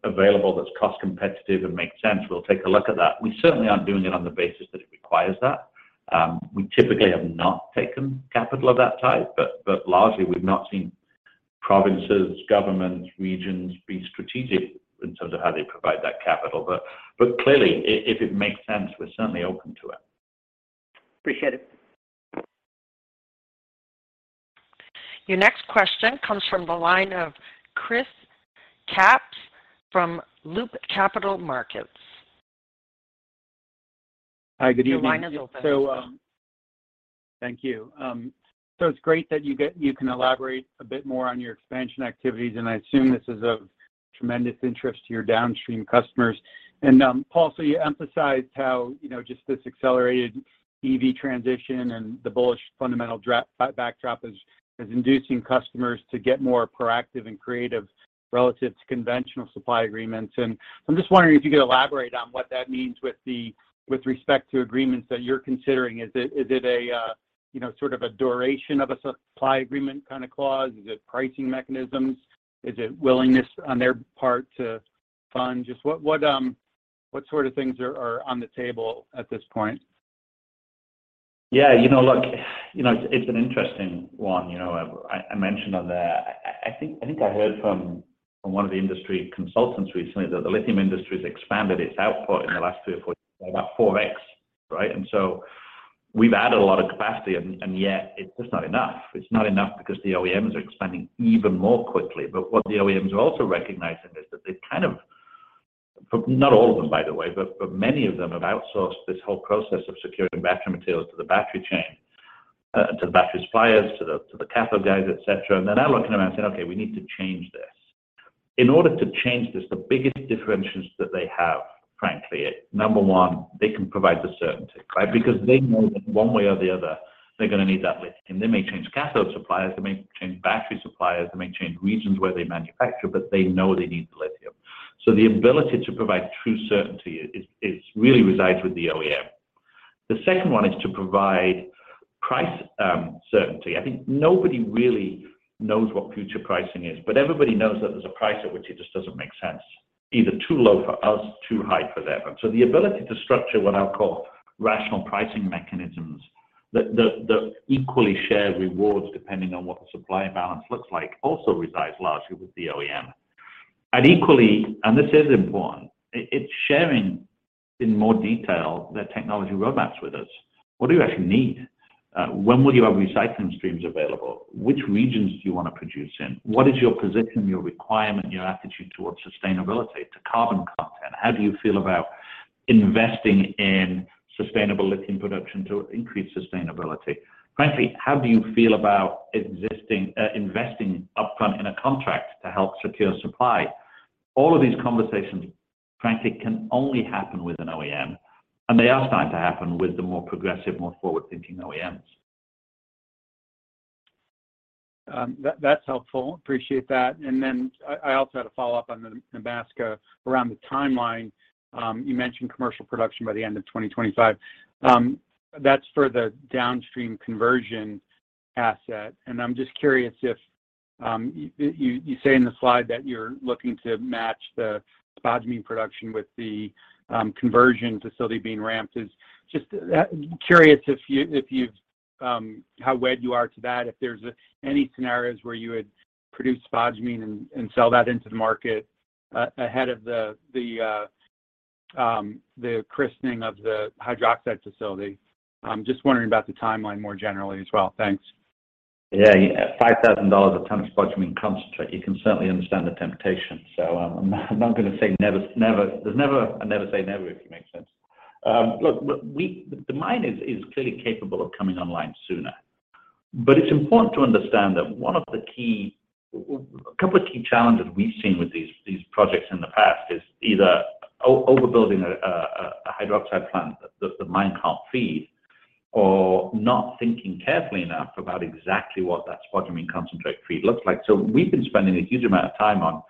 available that's cost competitive and makes sense, we'll take a look at that. We certainly aren't doing it on the basis that it requires that. We typically have not taken capital of that type, but largely we've not seen provinces, governments, regions be strategic in terms of how they provide that capital but clearly if it makes sense, we're certainly open to it. Appreciate it. Your next question comes from the line of Chris Kapsch from Loop Capital Markets. Hi. Good evening. Your line is open, sir. Thank you. It's great that you can elaborate a bit more on your expansion activities, and I assume this is of tremendous interest to your downstream customers. Paul, you emphasized how just this accelerated EV transition and the bullish fundamental backdrop is inducing customers to get more proactive and creative relative to conventional supply agreements. I'm just wondering if you could elaborate on what that means with respect to agreements that you're considering. Is it a sort of a duration of a supply agreement kind of clause? Is it pricing mechanisms? Is it willingness on their part to fund? Just what sort of things are on the table at this point? Yeah. Look, it's an interesting one. I mentioned on there, I think I heard from one of the industry consultants recently that the lithium industry has expanded its output in the last three or four years by about 4x, right? We've added a lot of capacity and yet it's just not enough. It's not enough because the OEMs are expanding even more quickly. What the OEMs are also recognizing is that they've kind of, but not all of them by the way, but many of them have outsourced this whole process of securing battery materials to the battery chain, to the battery suppliers, to the cathode guys, et cetera. They're now looking around saying, "Okay, we need to change this." In order to change this, the biggest differentiators that they have, frankly, number one, they can provide the certainty, right? Because they know that one way or the other they're gonna need that lithium. They may change cathode suppliers, they may change battery suppliers, they may change regions where they manufacture, but they know they need the lithium. The ability to provide true certainty is really resides with the OEM. The second one is to provide price certainty. I think nobody really knows what future pricing is, but everybody knows that there's a price at which it just doesn't make sense, either too low for us, too high for them. The ability to structure what I'll call rational pricing mechanisms that equally share rewards depending on what the supply and balance looks like also resides largely with the OEM. Equally, and this is important, it's sharing in more detail their technology roadmaps with us. What do you actually need? When will you have recycling streams available? Which regions do you wanna produce in? What is your position, your requirement, your attitude towards sustainability to carbon content? How do you feel about investing in sustainable lithium production to increase sustainability? Frankly, how do you feel about investing upfront in a contract to help secure supply? All of these conversations, frankly, can only happen with an OEM, and they are starting to happen with the more progressive, more forward-thinking OEMs. That's helpful. Appreciate that. I also had a follow-up on the Nemaska around the timeline. You mentioned commercial production by the end of 2025. That's for the downstream conversion asset, and I'm just curious if you say in the slide that you're looking to match the spodumene production with the conversion facility being ramped. I'm just curious if you've how wedded you are to that, if there's any scenarios where you would produce spodumene and sell that into the market ahead of the commissioning of the hydroxide facility. I'm just wondering about the timeline more generally as well. Thanks. Yeah. At $5,000 a ton of spodumene concentrate, you can certainly understand the temptation. I'm not gonna say never. There's never a never say never, if it makes sense. Look, the mine is clearly capable of coming online sooner. But it's important to understand that a couple of key challenges we've seen with these projects in the past is either overbuilding a hydroxide plant that the mine can't feed or not thinking carefully enough about exactly what that spodumene concentrate feed looks like. We've been spending a huge amount of time on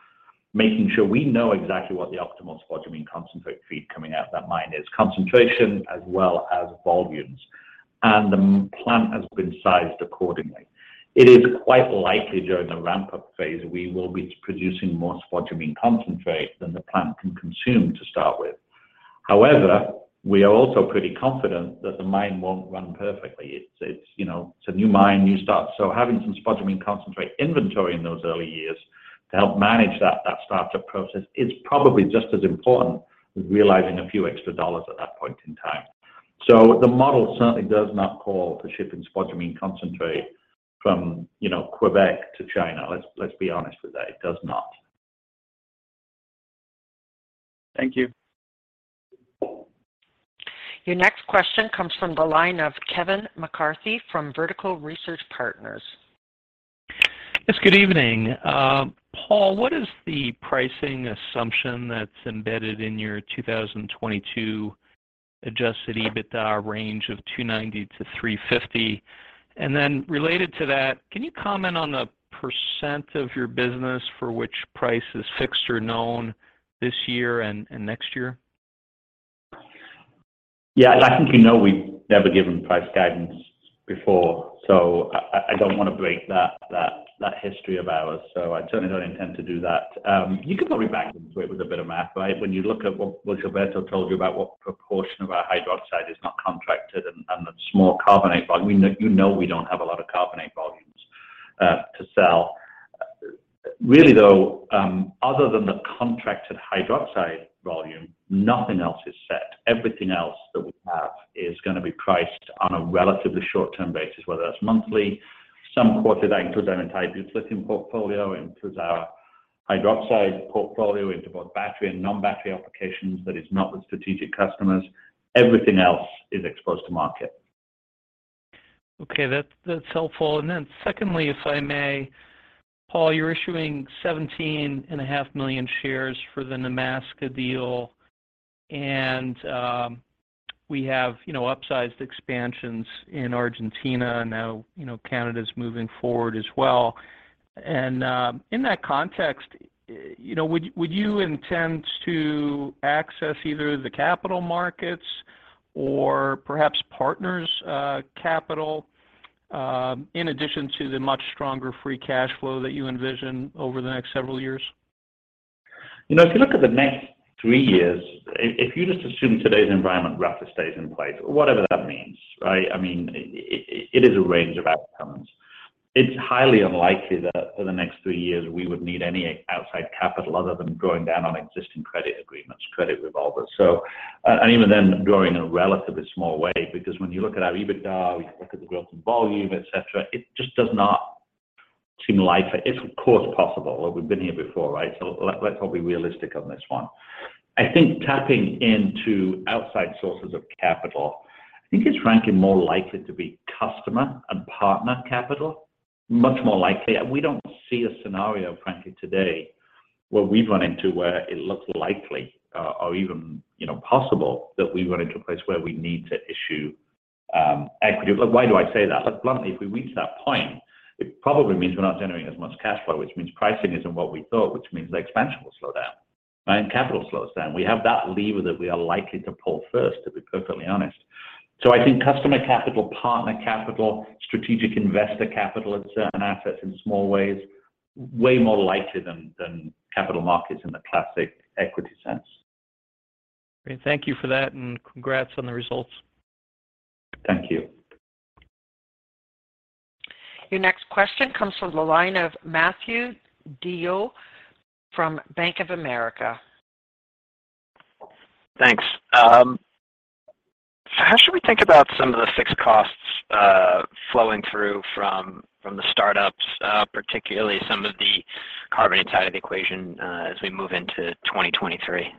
making sure we know exactly what the optimal spodumene concentrate feed coming out of that mine is, concentration as well as volumes. The plant has been sized accordingly. It is quite likely during the ramp-up phase, we will be producing more spodumene concentrate than the plant can consume to start with. However, we are also pretty confident that the mine won't run perfectly. It's a new mine, new start. Having some spodumene concentrate inventory in those early years to help manage that startup process is probably just as important as realizing a few extra dollars at that point in time. The model certainly does not call for shipping spodumene concentrate from Québec to China. Let's be honest with that. It does not. Thank you. Your next question comes from the line of Kevin McCarthy from Vertical Research Partners. Yes, good evening. Paul, what is the pricing assumption that's embedded in your 2022 adjusted EBITDA range of $290 million-$350 million? Related to that, can you comment on the % of your business for which price is fixed or known this year and next year? Yeah. I think we've never given price guidance before, so I don't wanna break that history of ours. I certainly don't intend to do that. You can probably back into it with a bit of math, right? When you look at what Gilberto told you about what proportion of our hydroxide is not contracted and the small carbonate volume. We don't have a lot of carbonate volumes to sell. Really, though, other than the contracted hydroxide volume, nothing else is set. Everything else that we have is gonna be priced on a relatively short-term basis, whether that's monthly, some quarters that include our entire lithium portfolio, includes our hydroxide portfolio into both battery and non-battery applications that is not with strategic customers. Everything else is exposed to market. Okay. That's helpful. Secondly, if I may, Paul, you're issuing 17.5 million shares for the Nemaska deal, and we have upsized expansions in Argentina. Now Canada's moving forward as well. In that context would you intend to access either the capital markets or perhaps partners' capital in addition to the much stronger free cash flow that you envision over the next several years? If you look at the next three years, if you just assume today's environment rather stays in place, whatever that means, right? I mean, it is a range of outcomes. It's highly unlikely that for the next three years we would need any outside capital other than drawing down on existing credit agreements, credit revolvers. Even then growing in a relatively small way, because when you look at our EBITDA, we can look at the growth in volume, et cetera, it just does not seem likely. It's of course possible. We've been here before, right? Let's all be realistic on this one. I think tapping into outside sources of capital, I think it's frankly more likely to be customer and partner capital, much more likely. We don't see a scenario, frankly, today where we've run into where it looks likely, or even possible that we run into a place where we need to issue equity. Look, why do I say that? Look, bluntly, if we reach that point, it probably means we're not generating as much cash flow, which means pricing isn't what we thought, which means the expansion will slow down, right? Capital slows down. We have that lever that we are likely to pull first, to be perfectly honest. I think customer capital, partner capital, strategic investor capital and certain assets in small ways, way more likely than capital markets in the classic equity sense. Great. Thank you for that and congrats on the results. Thank you. Your next question comes from the line of Matthew DeYoe from Bank of America. Thanks. How should we think about some of the fixed costs, flowing through from the startups, particularly some of the carbonate side of the equation, as we move into 2023?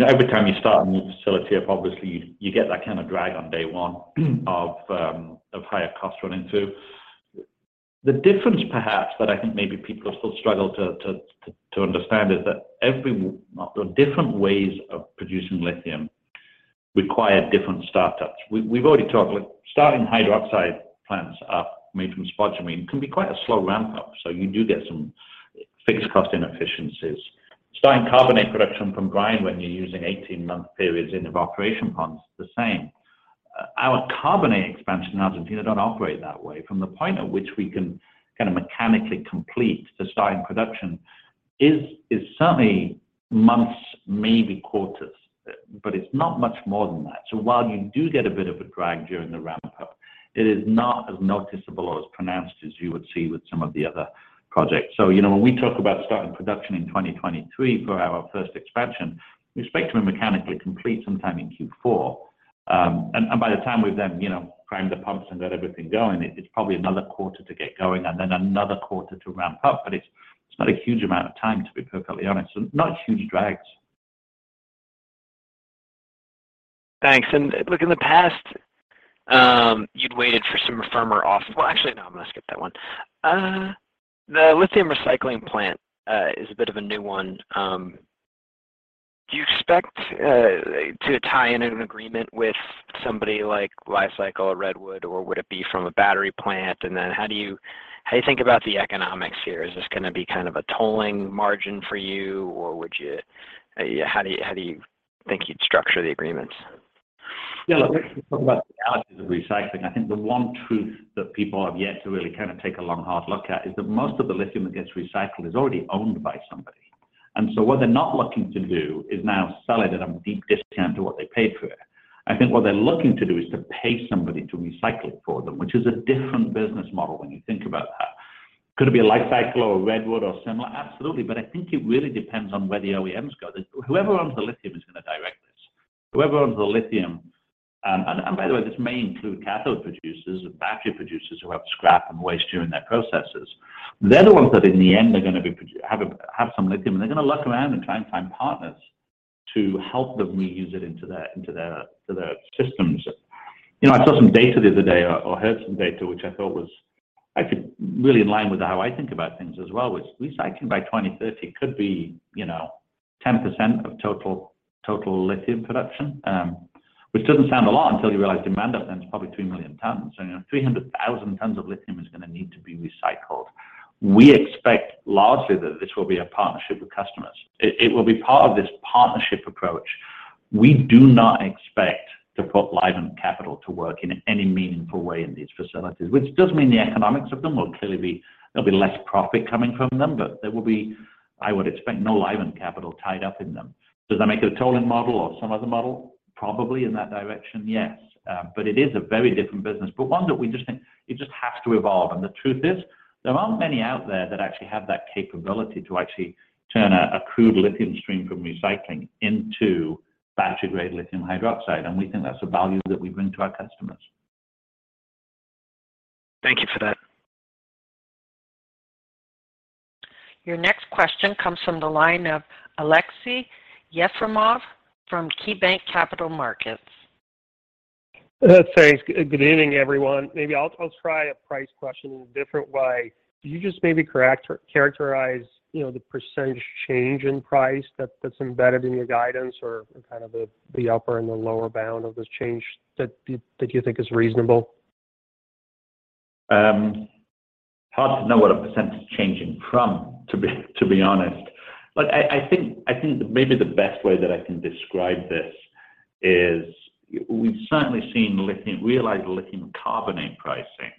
Every time you start a new facility up, obviously you get that kind of drag on day one of higher costs running through. The difference perhaps that I think maybe people still struggle to understand is that the different ways of producing lithium require different startups. We've already talked, like, starting hydroxide plants up made from spodumene can be quite a slow ramp up. So you do get some fixed cost inefficiencies. Starting carbonate production from brine when you're using 18-month periods in evaporation ponds, the same. Our carbonate expansion in Argentina don't operate that way. From the point at which we can kind of mechanically complete to starting production is certainly months, maybe quarters, but it's not much more than that. While you do get a bit of a drag during the ramp up, it is not as noticeable or as pronounced as you would see with some of the other projects. When we talk about starting production in 2023 for our first expansion, we expect to mechanically complete sometime in Q4. By the time we've then primed the pumps and got everything going, it's probably another quarter to get going and then another quarter to ramp up. It's not a huge amount of time, to be perfectly honest. Not huge drags. Thanks. Look, in the past, you'd waited for some firmer off. Well, actually, no, I'm gonna skip that one. The lithium recycling plant is a bit of a new one. Do you expect to tie in an agreement with somebody like Li-Cycle or Redwood, or would it be from a battery plant? How do you think about the economics here? Is this gonna be kind of a tolling margin for you, or would you, how do you think you'd structure the agreements? Yeah, look, we can talk about the realities of recycling. I think the one truth that people have yet to really kind of take a long, hard look at is that most of the lithium that gets recycled is already owned by somebody. What they're not looking to do is now sell it at a deep discount to what they paid for it. I think what they're looking to do is to pay somebody to recycle it for them, which is a different business model when you think about that. Could it be a Li-Cycle or a Redwood or similar? Absolutely. I think it really depends on where the OEMs go. Whoever owns the lithium is gonna direct this. Whoever owns the lithium. By the way, this may include cathode producers or battery producers who have scrap and waste during their processes. They're the ones that in the end are gonna have some lithium, and they're gonna look around and try and find partners to help them reuse it into their systems. I saw some data the other day or heard some data which I thought was actually really in line with how I think about things as well, which recycling by 2030 could be 10% of total lithium production, which doesn't sound a lot until you realize demand out there is probably 3,000,000 tons. 300,000 tons of lithium is gonna need to be recycled. We expect largely that this will be a partnership with customers. It will be part of this partnership approach. We do not expect to put Livent capital to work in any meaningful way in these facilities, which does mean the economics of them will clearly be there'll be less profit coming from them. There will be, I would expect, no Livent capital tied up in them. Does that make it a tolling model or some other model? Probably in that direction, yes. It is a very different business, but one that we just think it just has to evolve. The truth is, there aren't many out there that actually have that capability to actually turn a crude lithium stream from recycling into battery-grade lithium hydroxide. We think that's a value that we bring to our customers. Thank you for that. Your next question comes from the line of Aleksey Yefremov from KeyBanc Capital Markets. Thanks. Good evening, everyone. Maybe I'll try a price question in a different way. Could you just maybe characterize the percentage change in price that's embedded in your guidance or kind of the upper and the lower bound of this change that you think is reasonable? Hard to know what a percentage change in from, to be honest. Look, I think maybe the best way that I can describe this is we've certainly seen lithium realized lithium carbonate pricing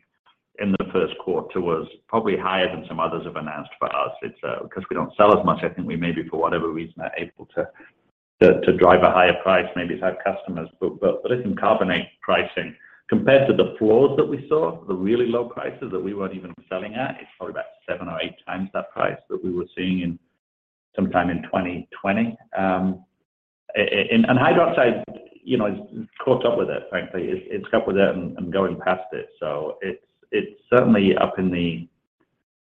in the first quarter was probably higher than some others have announced for us. It's 'cause we don't sell as much, I think we maybe, for whatever reason, are able to drive a higher price maybe to our customers. But lithium carbonate pricing compared to the floors that we saw, the really low prices that we weren't even selling at, it's probably about 7x or 8x that price that we were seeing in sometime in 2020. Hydroxide has caught up with it, frankly. It's caught up with it and going past it. It's certainly up in the.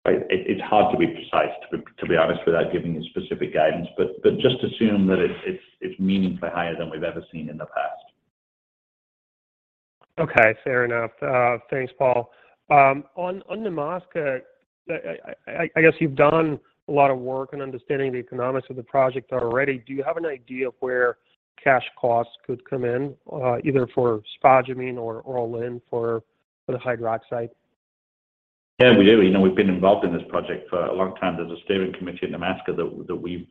It's hard to be precise, to be honest, without giving you specific guidance. Just assume that it's meaningfully higher than we've ever seen in the past. Okay, fair enough. Thanks, Paul. On Nemaska, I guess you've done a lot of work in understanding the economics of the project already. Do you have an idea of where cash costs could come in, either for spodumene or all in for the hydroxide? Yeah, we do. We've been involved in this project for a long time. There's a steering committee at Nemaska that we've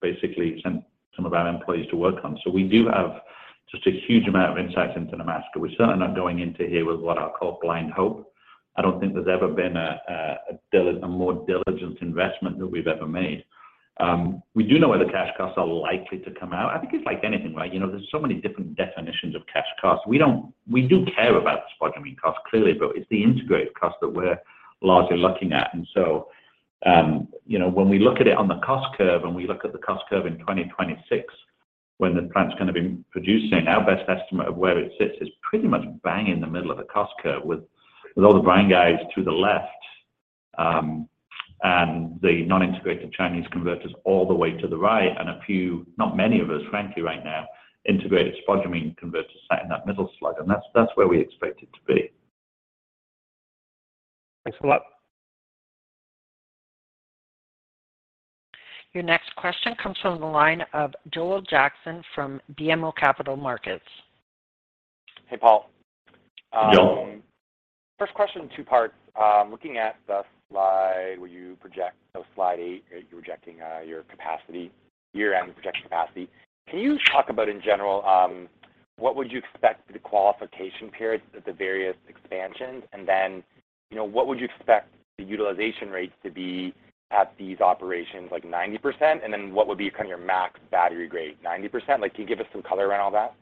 basically sent some of our employees to work on. We do have just a huge amount of insight into Nemaska. We're certainly not going into here with what I call blind hope. I don't think there's ever been a more diligent investment that we've ever made. We do know where the cash costs are likely to come out. I think it's like anything, right? There's so many different definitions of cash costs. We do care about spodumene costs, clearly, but it's the integrated costs that we're largely looking at. When we look at it on the cost curve and we look at the cost curve in 2026 when the plant's gonna be producing, our best estimate of where it sits is pretty much bang in the middle of the cost curve with all the brine guys to the left, and the non-integrated Chinese converters all the way to the right and a few, not many of us, frankly, right now, integrated spodumene converters sat in that middle slug. That's where we expect it to be. Thanks a lot. Your next question comes from the line of Joel Jackson from BMO Capital Markets. Hey, Paul. First question, two parts. Looking at the slide where you project slide eight, you're projecting your capacity, year-end projected capacity. Can you talk about in general what would you expect the qualification periods at the various expansions? Then what would you expect the utilization rates to be at these operations, like 90%?Then what would be kind of your max battery grade, 90%? Like, can you give us some color around all that?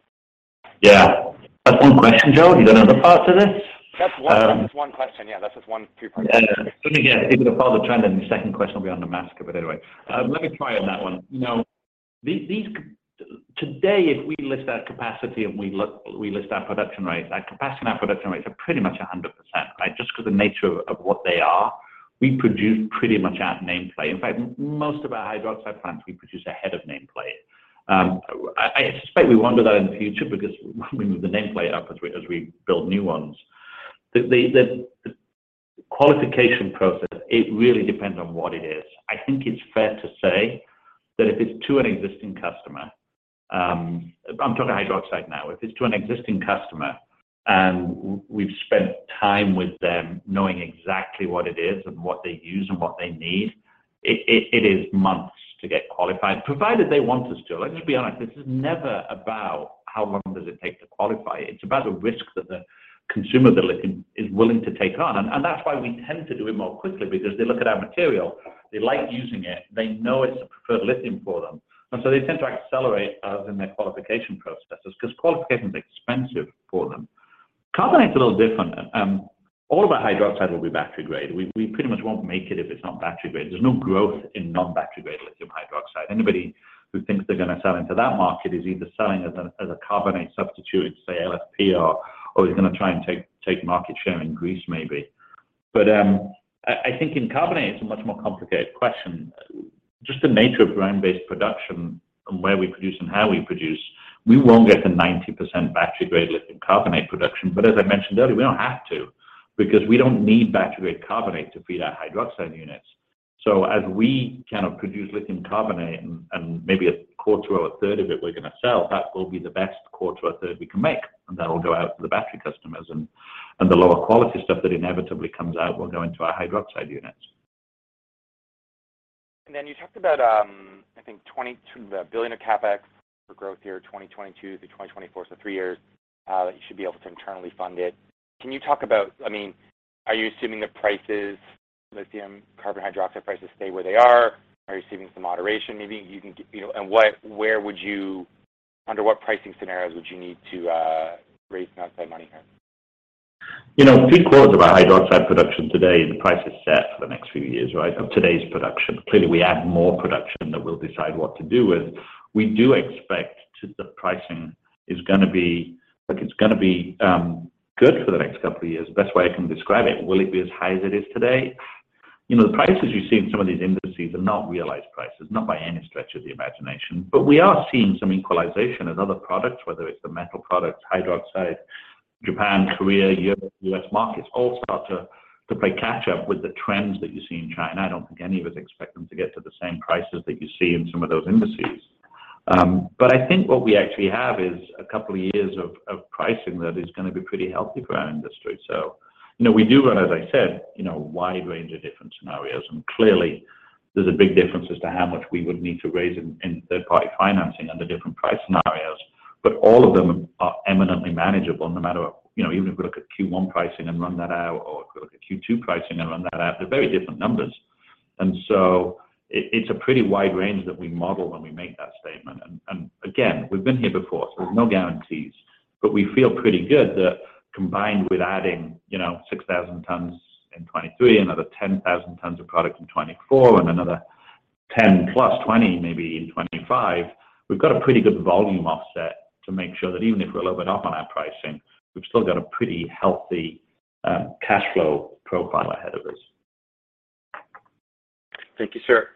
Yeah. That's one question, Joel. You got other parts to this? That's one. That's just one question. Yeah. That's just one two-part question. Yeah. Let me guess. If it'll follow the trend, then the second question will be on Nemaska, but anyway. Let me try on that one. Today, if we list our capacity, we list our production rates. Our capacity and our production rates are pretty much 100%, right? Just 'cause the nature of what they are, we produce pretty much at nameplate. In fact, most of our hydroxide plants we produce ahead of nameplate. I suspect we won't derate that in the future because when we move the nameplate up as we build new ones. The qualification process, it really depends on what it is. I think it's fair to say that if it's to an existing customer, I'm talking hydroxide now. If it's to an existing customer and we've spent time with them knowing exactly what it is and what they use and what they need, it is months to get qualified, provided they want us to. Let's just be honest, this is never about how long does it take to qualify you. It's about the risk that the consumer that lithium is willing to take on. That's why we tend to do it more quickly because they look at our material, they like using it, they know it's a preferred lithium for them. They tend to accelerate in their qualification processes because qualification is expensive for them. Carbonate's a little different. All of our hydroxide will be battery grade. We pretty much won't make it if it's not battery grade. There's no growth in non-battery grade lithium hydroxide. Anybody who thinks they're gonna sell into that market is either selling as a carbonate substitute, say LFP, or is gonna try and take market share in grease maybe. I think in carbonate it's a much more complicated question. Just the nature of ground-based production and where we produce and how we produce, we won't get the 90% battery grade lithium carbonate production. As I mentioned earlier, we don't have to because we don't need battery grade carbonate to feed our hydroxide units. As we kind of produce lithium carbonate and maybe a quarter or a third of it we're gonna sell, that will be the best quarter or third we can make, and that'll go out to the battery customers. The lower quality stuff that inevitably comes out will go into our hydroxide units. Then you talked about, I think the $20 billion of CapEx for growth year 2022 to 2024, so three years, that you should be able to internally fund it. Can you talk about, I mean, are you assuming the prices, lithium carbonate, hydroxide prices stay where they are? Are you seeing some moderation maybe? Under what pricing scenarios would you need to raise outside money here? Three-quarters of our hydroxide production today, and the price is set for the next few years, right, of today's production. Clearly, we add more production that we'll decide what to do with. We do expect the pricing is gonna be, like it's gonna be, good for the next couple of years. Best way I can describe it. Will it be as high as it is today? The prices you see in some of these indices are not realized prices, not by any stretch of the imagination. We are seeing some equalization in other products, whether it's the metal products, hydroxide, Japan, Korea, Europe, U.S. markets all start to play catch up with the trends that you see in China. I don't think any of us expect them to get to the same prices that you see in some of those indices. I think what we actually have is a couple of years of pricing that is gonna be pretty healthy for our industry. We do run, as I said a wide range of different scenarios. Clearly there's a big difference as to how much we would need to raise in third-party financing under different price scenarios. All of them are eminently manageable no matter what. Even if we look at Q1 pricing and run that out or look at Q2 pricing and run that out, they're very different numbers. It's a pretty wide range that we model when we make that statement. Again, we've been here before, so there's no guarantees. We feel pretty good that combined with adding 6,000 tons in 2023, another 10,000 tons of product in 2024 and another 10,000 + 20,000 tons maybe in 2025, we've got a pretty good volume offset to make sure that even if we're a little bit off on our pricing, we've still got a pretty healthy cash flow profile ahead of us. Thank you, sir.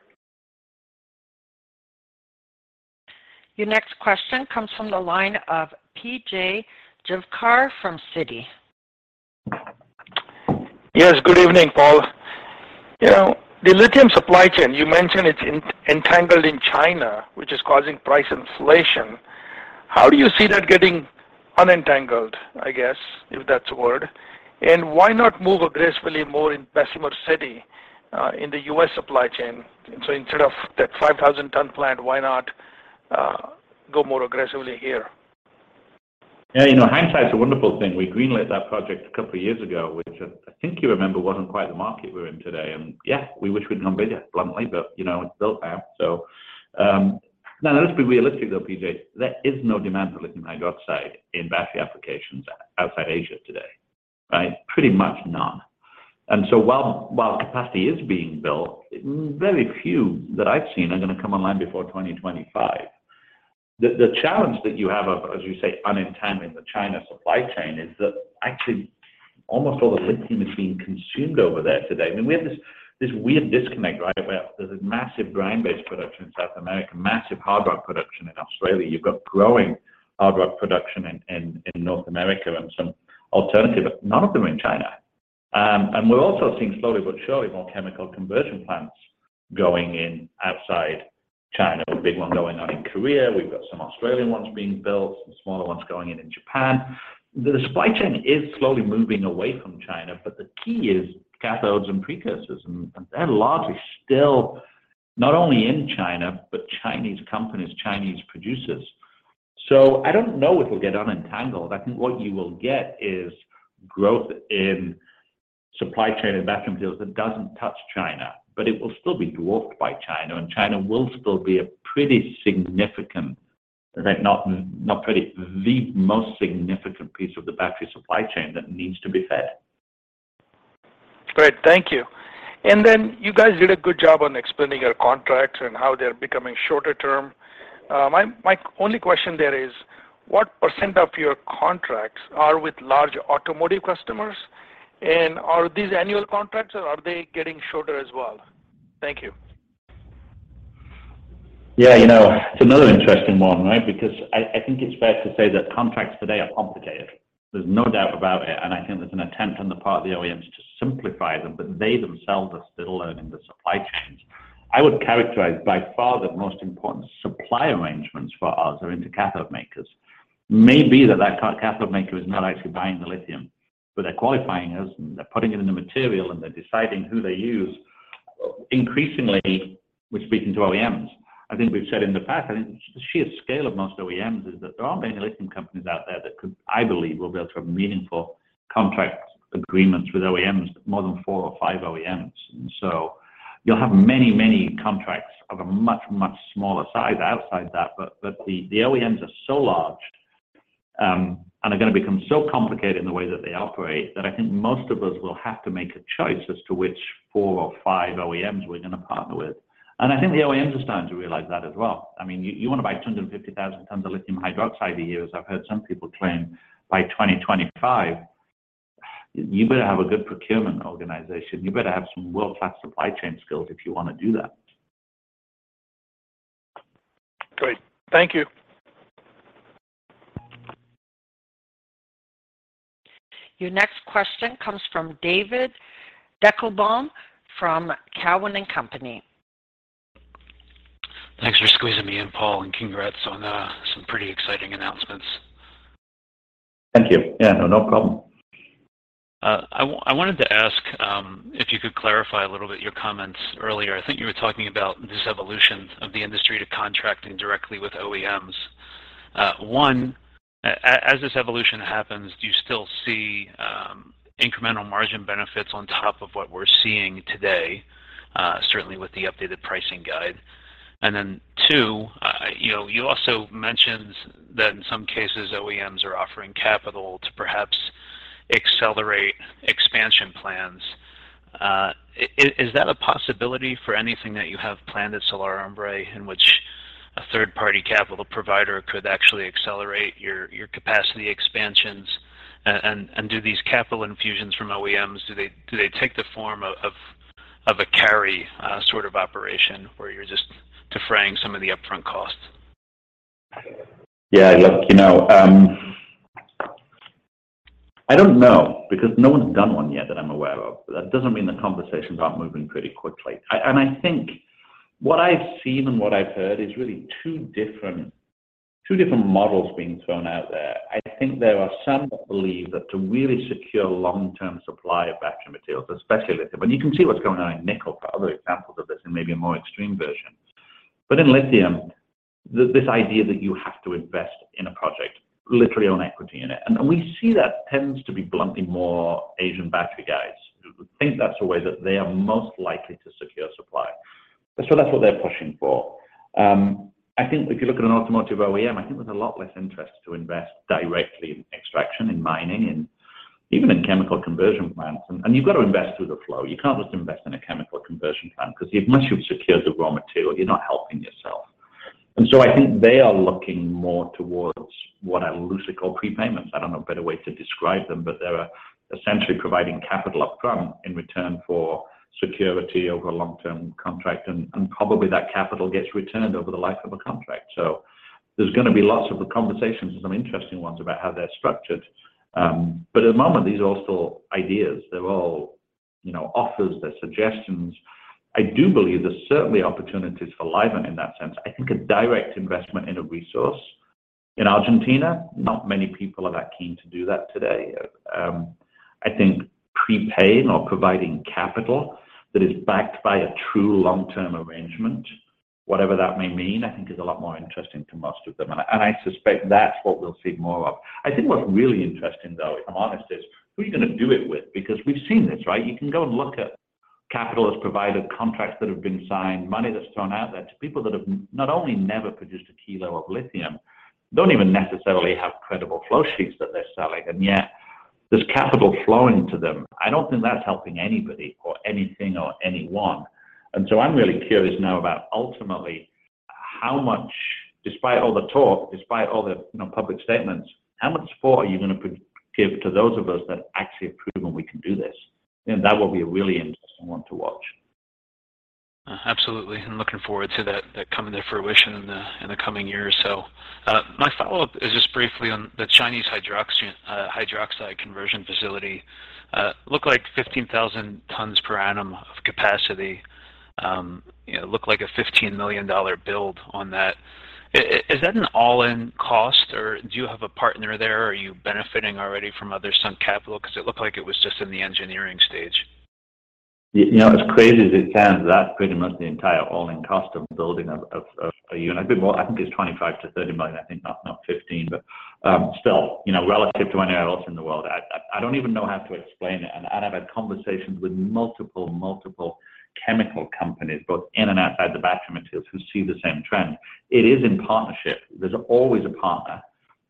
Your next question comes from the line of P.J. Juvekar from Citi. Yes. Good evening, Paul. The lithium supply chain, you mentioned it's entangled in China, which is causing price inflation. How do you see that getting unentangled, I guess, if that's a word? And why not move aggressively more in Bessemer City in the U.S. supply chain? Instead of that 5,000-ton plant, why not go more aggressively here? Hindsight's a wonderful thing. We greenlit that project a couple of years ago, which I think you remember wasn't quite the market we're in today. Yeah, we wish we'd gone bigger, bluntly, but it's built now. Now let's be realistic though, P.J. There is no demand for lithium hydroxide in battery applications outside Asia today, right? Pretty much none. While capacity is being built, very few that I've seen are gonna come online before 2025. The challenge that you have of, as you say, unentangling the China supply chain is that actually almost all the lithium is being consumed over there today. I mean, we have this weird disconnect, right, where there's a massive brine-based production in South America, massive hard rock production in Australia. You've got growing hard rock production in North America and some alternative, but none of them are in China. We're also seeing slowly but surely more chemical conversion plants going in outside China, a big one going on in Korea. We've got some Australian ones being built, some smaller ones going in Japan. The supply chain is slowly moving away from China, but the key is cathodes and precursors and they're largely still not only in China, but Chinese companies, Chinese producers. I don't know if we'll get unentangled. I think what you will get is growth in supply chain and battery materials that doesn't touch China, but it will still be dwarfed by China, and China will still be a pretty significant, in fact, not pretty, the most significant piece of the battery supply chain that needs to be fed. Great. Thank you. You guys did a good job on explaining your contracts and how they're becoming shorter term. My only question there is what percent of your contracts are with large automotive customers? Are these annual contracts or are they getting shorter as well? Thank you. Yeah, it's another interesting one, right? Because I think it's fair to say that contracts today are complicated. There's no doubt about it, and I think there's an attempt on the part of the OEMs to simplify them, but they themselves are still learning the supply chains. I would characterize by far the most important supply arrangements for us are into cathode makers. Maybe that cathode maker is not actually buying the lithium, but they're qualifying us, and they're putting it in the material, and they're deciding who they use. Increasingly, we're speaking to OEMs. I think we've said in the past, I think the sheer scale of most OEMs is that there aren't many lithium companies out there that could, I believe, will be able to have meaningful contract agreements with OEMs, more than four or five OEMs. You'll have many, many contracts of a much, much smaller size outside that. The OEMs are so large and are gonna become so complicated in the way that they operate that I think most of us will have to make a choice as to which four or five OEMs we're gonna partner with. I think the OEMs are starting to realize that as well. I mean, you wanna buy 250,000 tons of lithium hydroxide a year, as I've heard some people claim by 2025, you better have a good procurement organization. You better have some world-class supply chain skills if you wanna do that. Great. Thank you. Your next question comes from David Deckelbaum from TD Cowen. Thanks for squeezing me in, Paul, and congrats on some pretty exciting announcements. Thank you. Yeah, no problem. I wanted to ask if you could clarify a little bit your comments earlier. I think you were talking about this evolution of the industry to contracting directly with OEMs. One, as this evolution happens, do you still see incremental margin benefits on top of what we're seeing today, certainly with the updated pricing guide? Two, you also mentioned that in some cases, OEMs are offering capital to perhaps accelerate expansion plans. Is that a possibility for anything that you have planned at Salar de Hombre Muerto in which a third-party capital provider could actually accelerate your capacity expansions? And do these capital infusions from OEMs do they take the form of a carry sort of operation where you're just defraying some of the upfront costs? Yeah, look I don't know because no one's done one yet that I'm aware of. That doesn't mean the conversations aren't moving pretty quickly. And I think what I've seen and what I've heard is really two different models being thrown out there. I think there are some that believe that to really secure long-term supply of battery materials, especially lithium, and you can see what's going on in nickel for other examples of this and maybe a more extreme version. But in lithium, this idea that you have to invest in a project literally own equity in it. And we see that tends to be bluntly more Asian battery guys who think that's the way that they are most likely to secure supply. That's what they're pushing for. I think if you look at an automotive OEM, I think there's a lot less interest to invest directly in extraction, in mining, and even in chemical conversion plants. You've got to invest through the flow. You can't just invest in a chemical conversion plant because unless you've secured the raw material, you're not helping yourself. I think they are looking more towards what I loosely call prepayments. I don't know a better way to describe them, but they're essentially providing capital upfront in return for security over a long-term contract, and probably that capital gets returned over the life of a contract. There's gonna be lots of conversations and some interesting ones about how they're structured. At the moment, these are all still ideas. They're all offers. They're suggestions. I do believe there's certainly opportunities for Livent in that sense. I think a direct investment in a resource in Argentina, not many people are that keen to do that today. I think prepaying or providing capital that is backed by a true long-term arrangement, whatever that may mean, I think is a lot more interesting to most of them. I suspect that's what we'll see more of. I think what's really interesting, though, if I'm honest, is who are you gonna do it with? Because we've seen this, right? You can go and look at capital is provided, contracts that have been signed, money that's thrown out there to people that have not only never produced a kilo of lithium, don't even necessarily have credible flow sheets that they're selling, and yet there's capital flowing to them. I don't think that's helping anybody or anything or anyone. I'm really curious now about ultimately how much, despite all the talk, despite all the public statements, how much thought are you gonna give to those of us that actually have proven we can do this? That will be a really interesting one to watch. Absolutely. I'm looking forward to that coming to fruition in the coming years. My follow-up is just briefly on the Chinese hydroxide conversion facility. Looked like 15,000 tons per annum of capacity. Loked like a $15 million build on that. Is that an all-in cost, or do you have a partner there? Are you benefiting already from other sunk capital? Because it looked like it was just in the engineering stage. As crazy as it sounds, that's pretty much the entire all-in cost of building a unit. A bit more, I think it's $25 million-$30 million, I think, not $15 million. Still relative to anywhere else in the world, I don't even know how to explain it. I've had conversations with multiple chemical companies, both in and outside the battery materials, who see the same trend. It is in partnership. There's always a partner.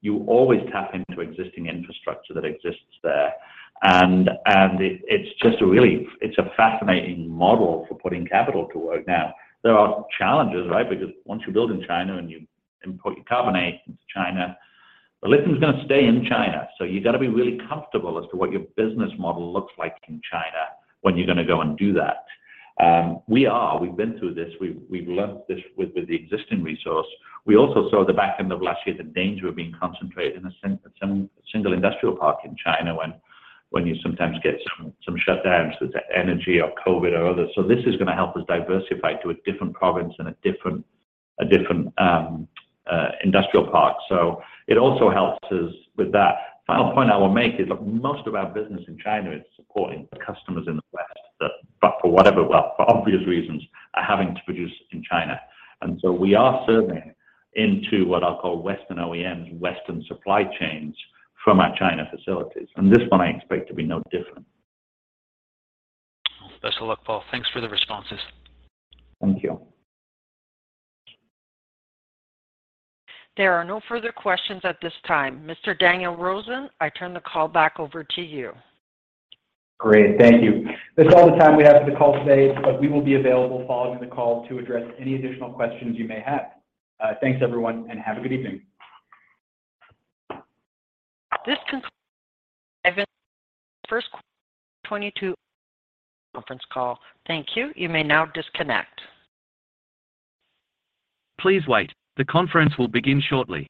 You always tap into existing infrastructure that exists there. It, it's just a really fascinating model for putting capital to work. Now, there are challenges, right? Because once you build in China and you import your carbonate into China, the lithium is gonna stay in China. You got to be really comfortable as to what your business model looks like in China when you're gonna go and do that. We are. We've been through this. We've learned this with the existing resource. We also saw at the back end of last year the danger of being concentrated in a single industrial park in China when you sometimes get some shutdowns with energy or COVID or others. This is gonna help us diversify to a different province and a different industrial park. It also helps us with that. Final point I will make is, look, most of our business in China is supporting customers in the West that, but for whatever, well, for obvious reasons, are having to produce in China. We are serving into what I'll call Western OEMs, Western supply chains from our China facilities. This one I expect to be no different. Best of luck, Paul. Thanks for the responses. Thank you. There are no further questions at this time. Mr. Daniel Rosen, I turn the call back over to you. Great. Thank you. That's all the time we have for the call today, but we will be available following the call to address any additional questions you may have. Thanks, everyone, and have a good evening. This concludes Livent's first quarter 2022 earnings conference call. Thank you. You may now disconnect.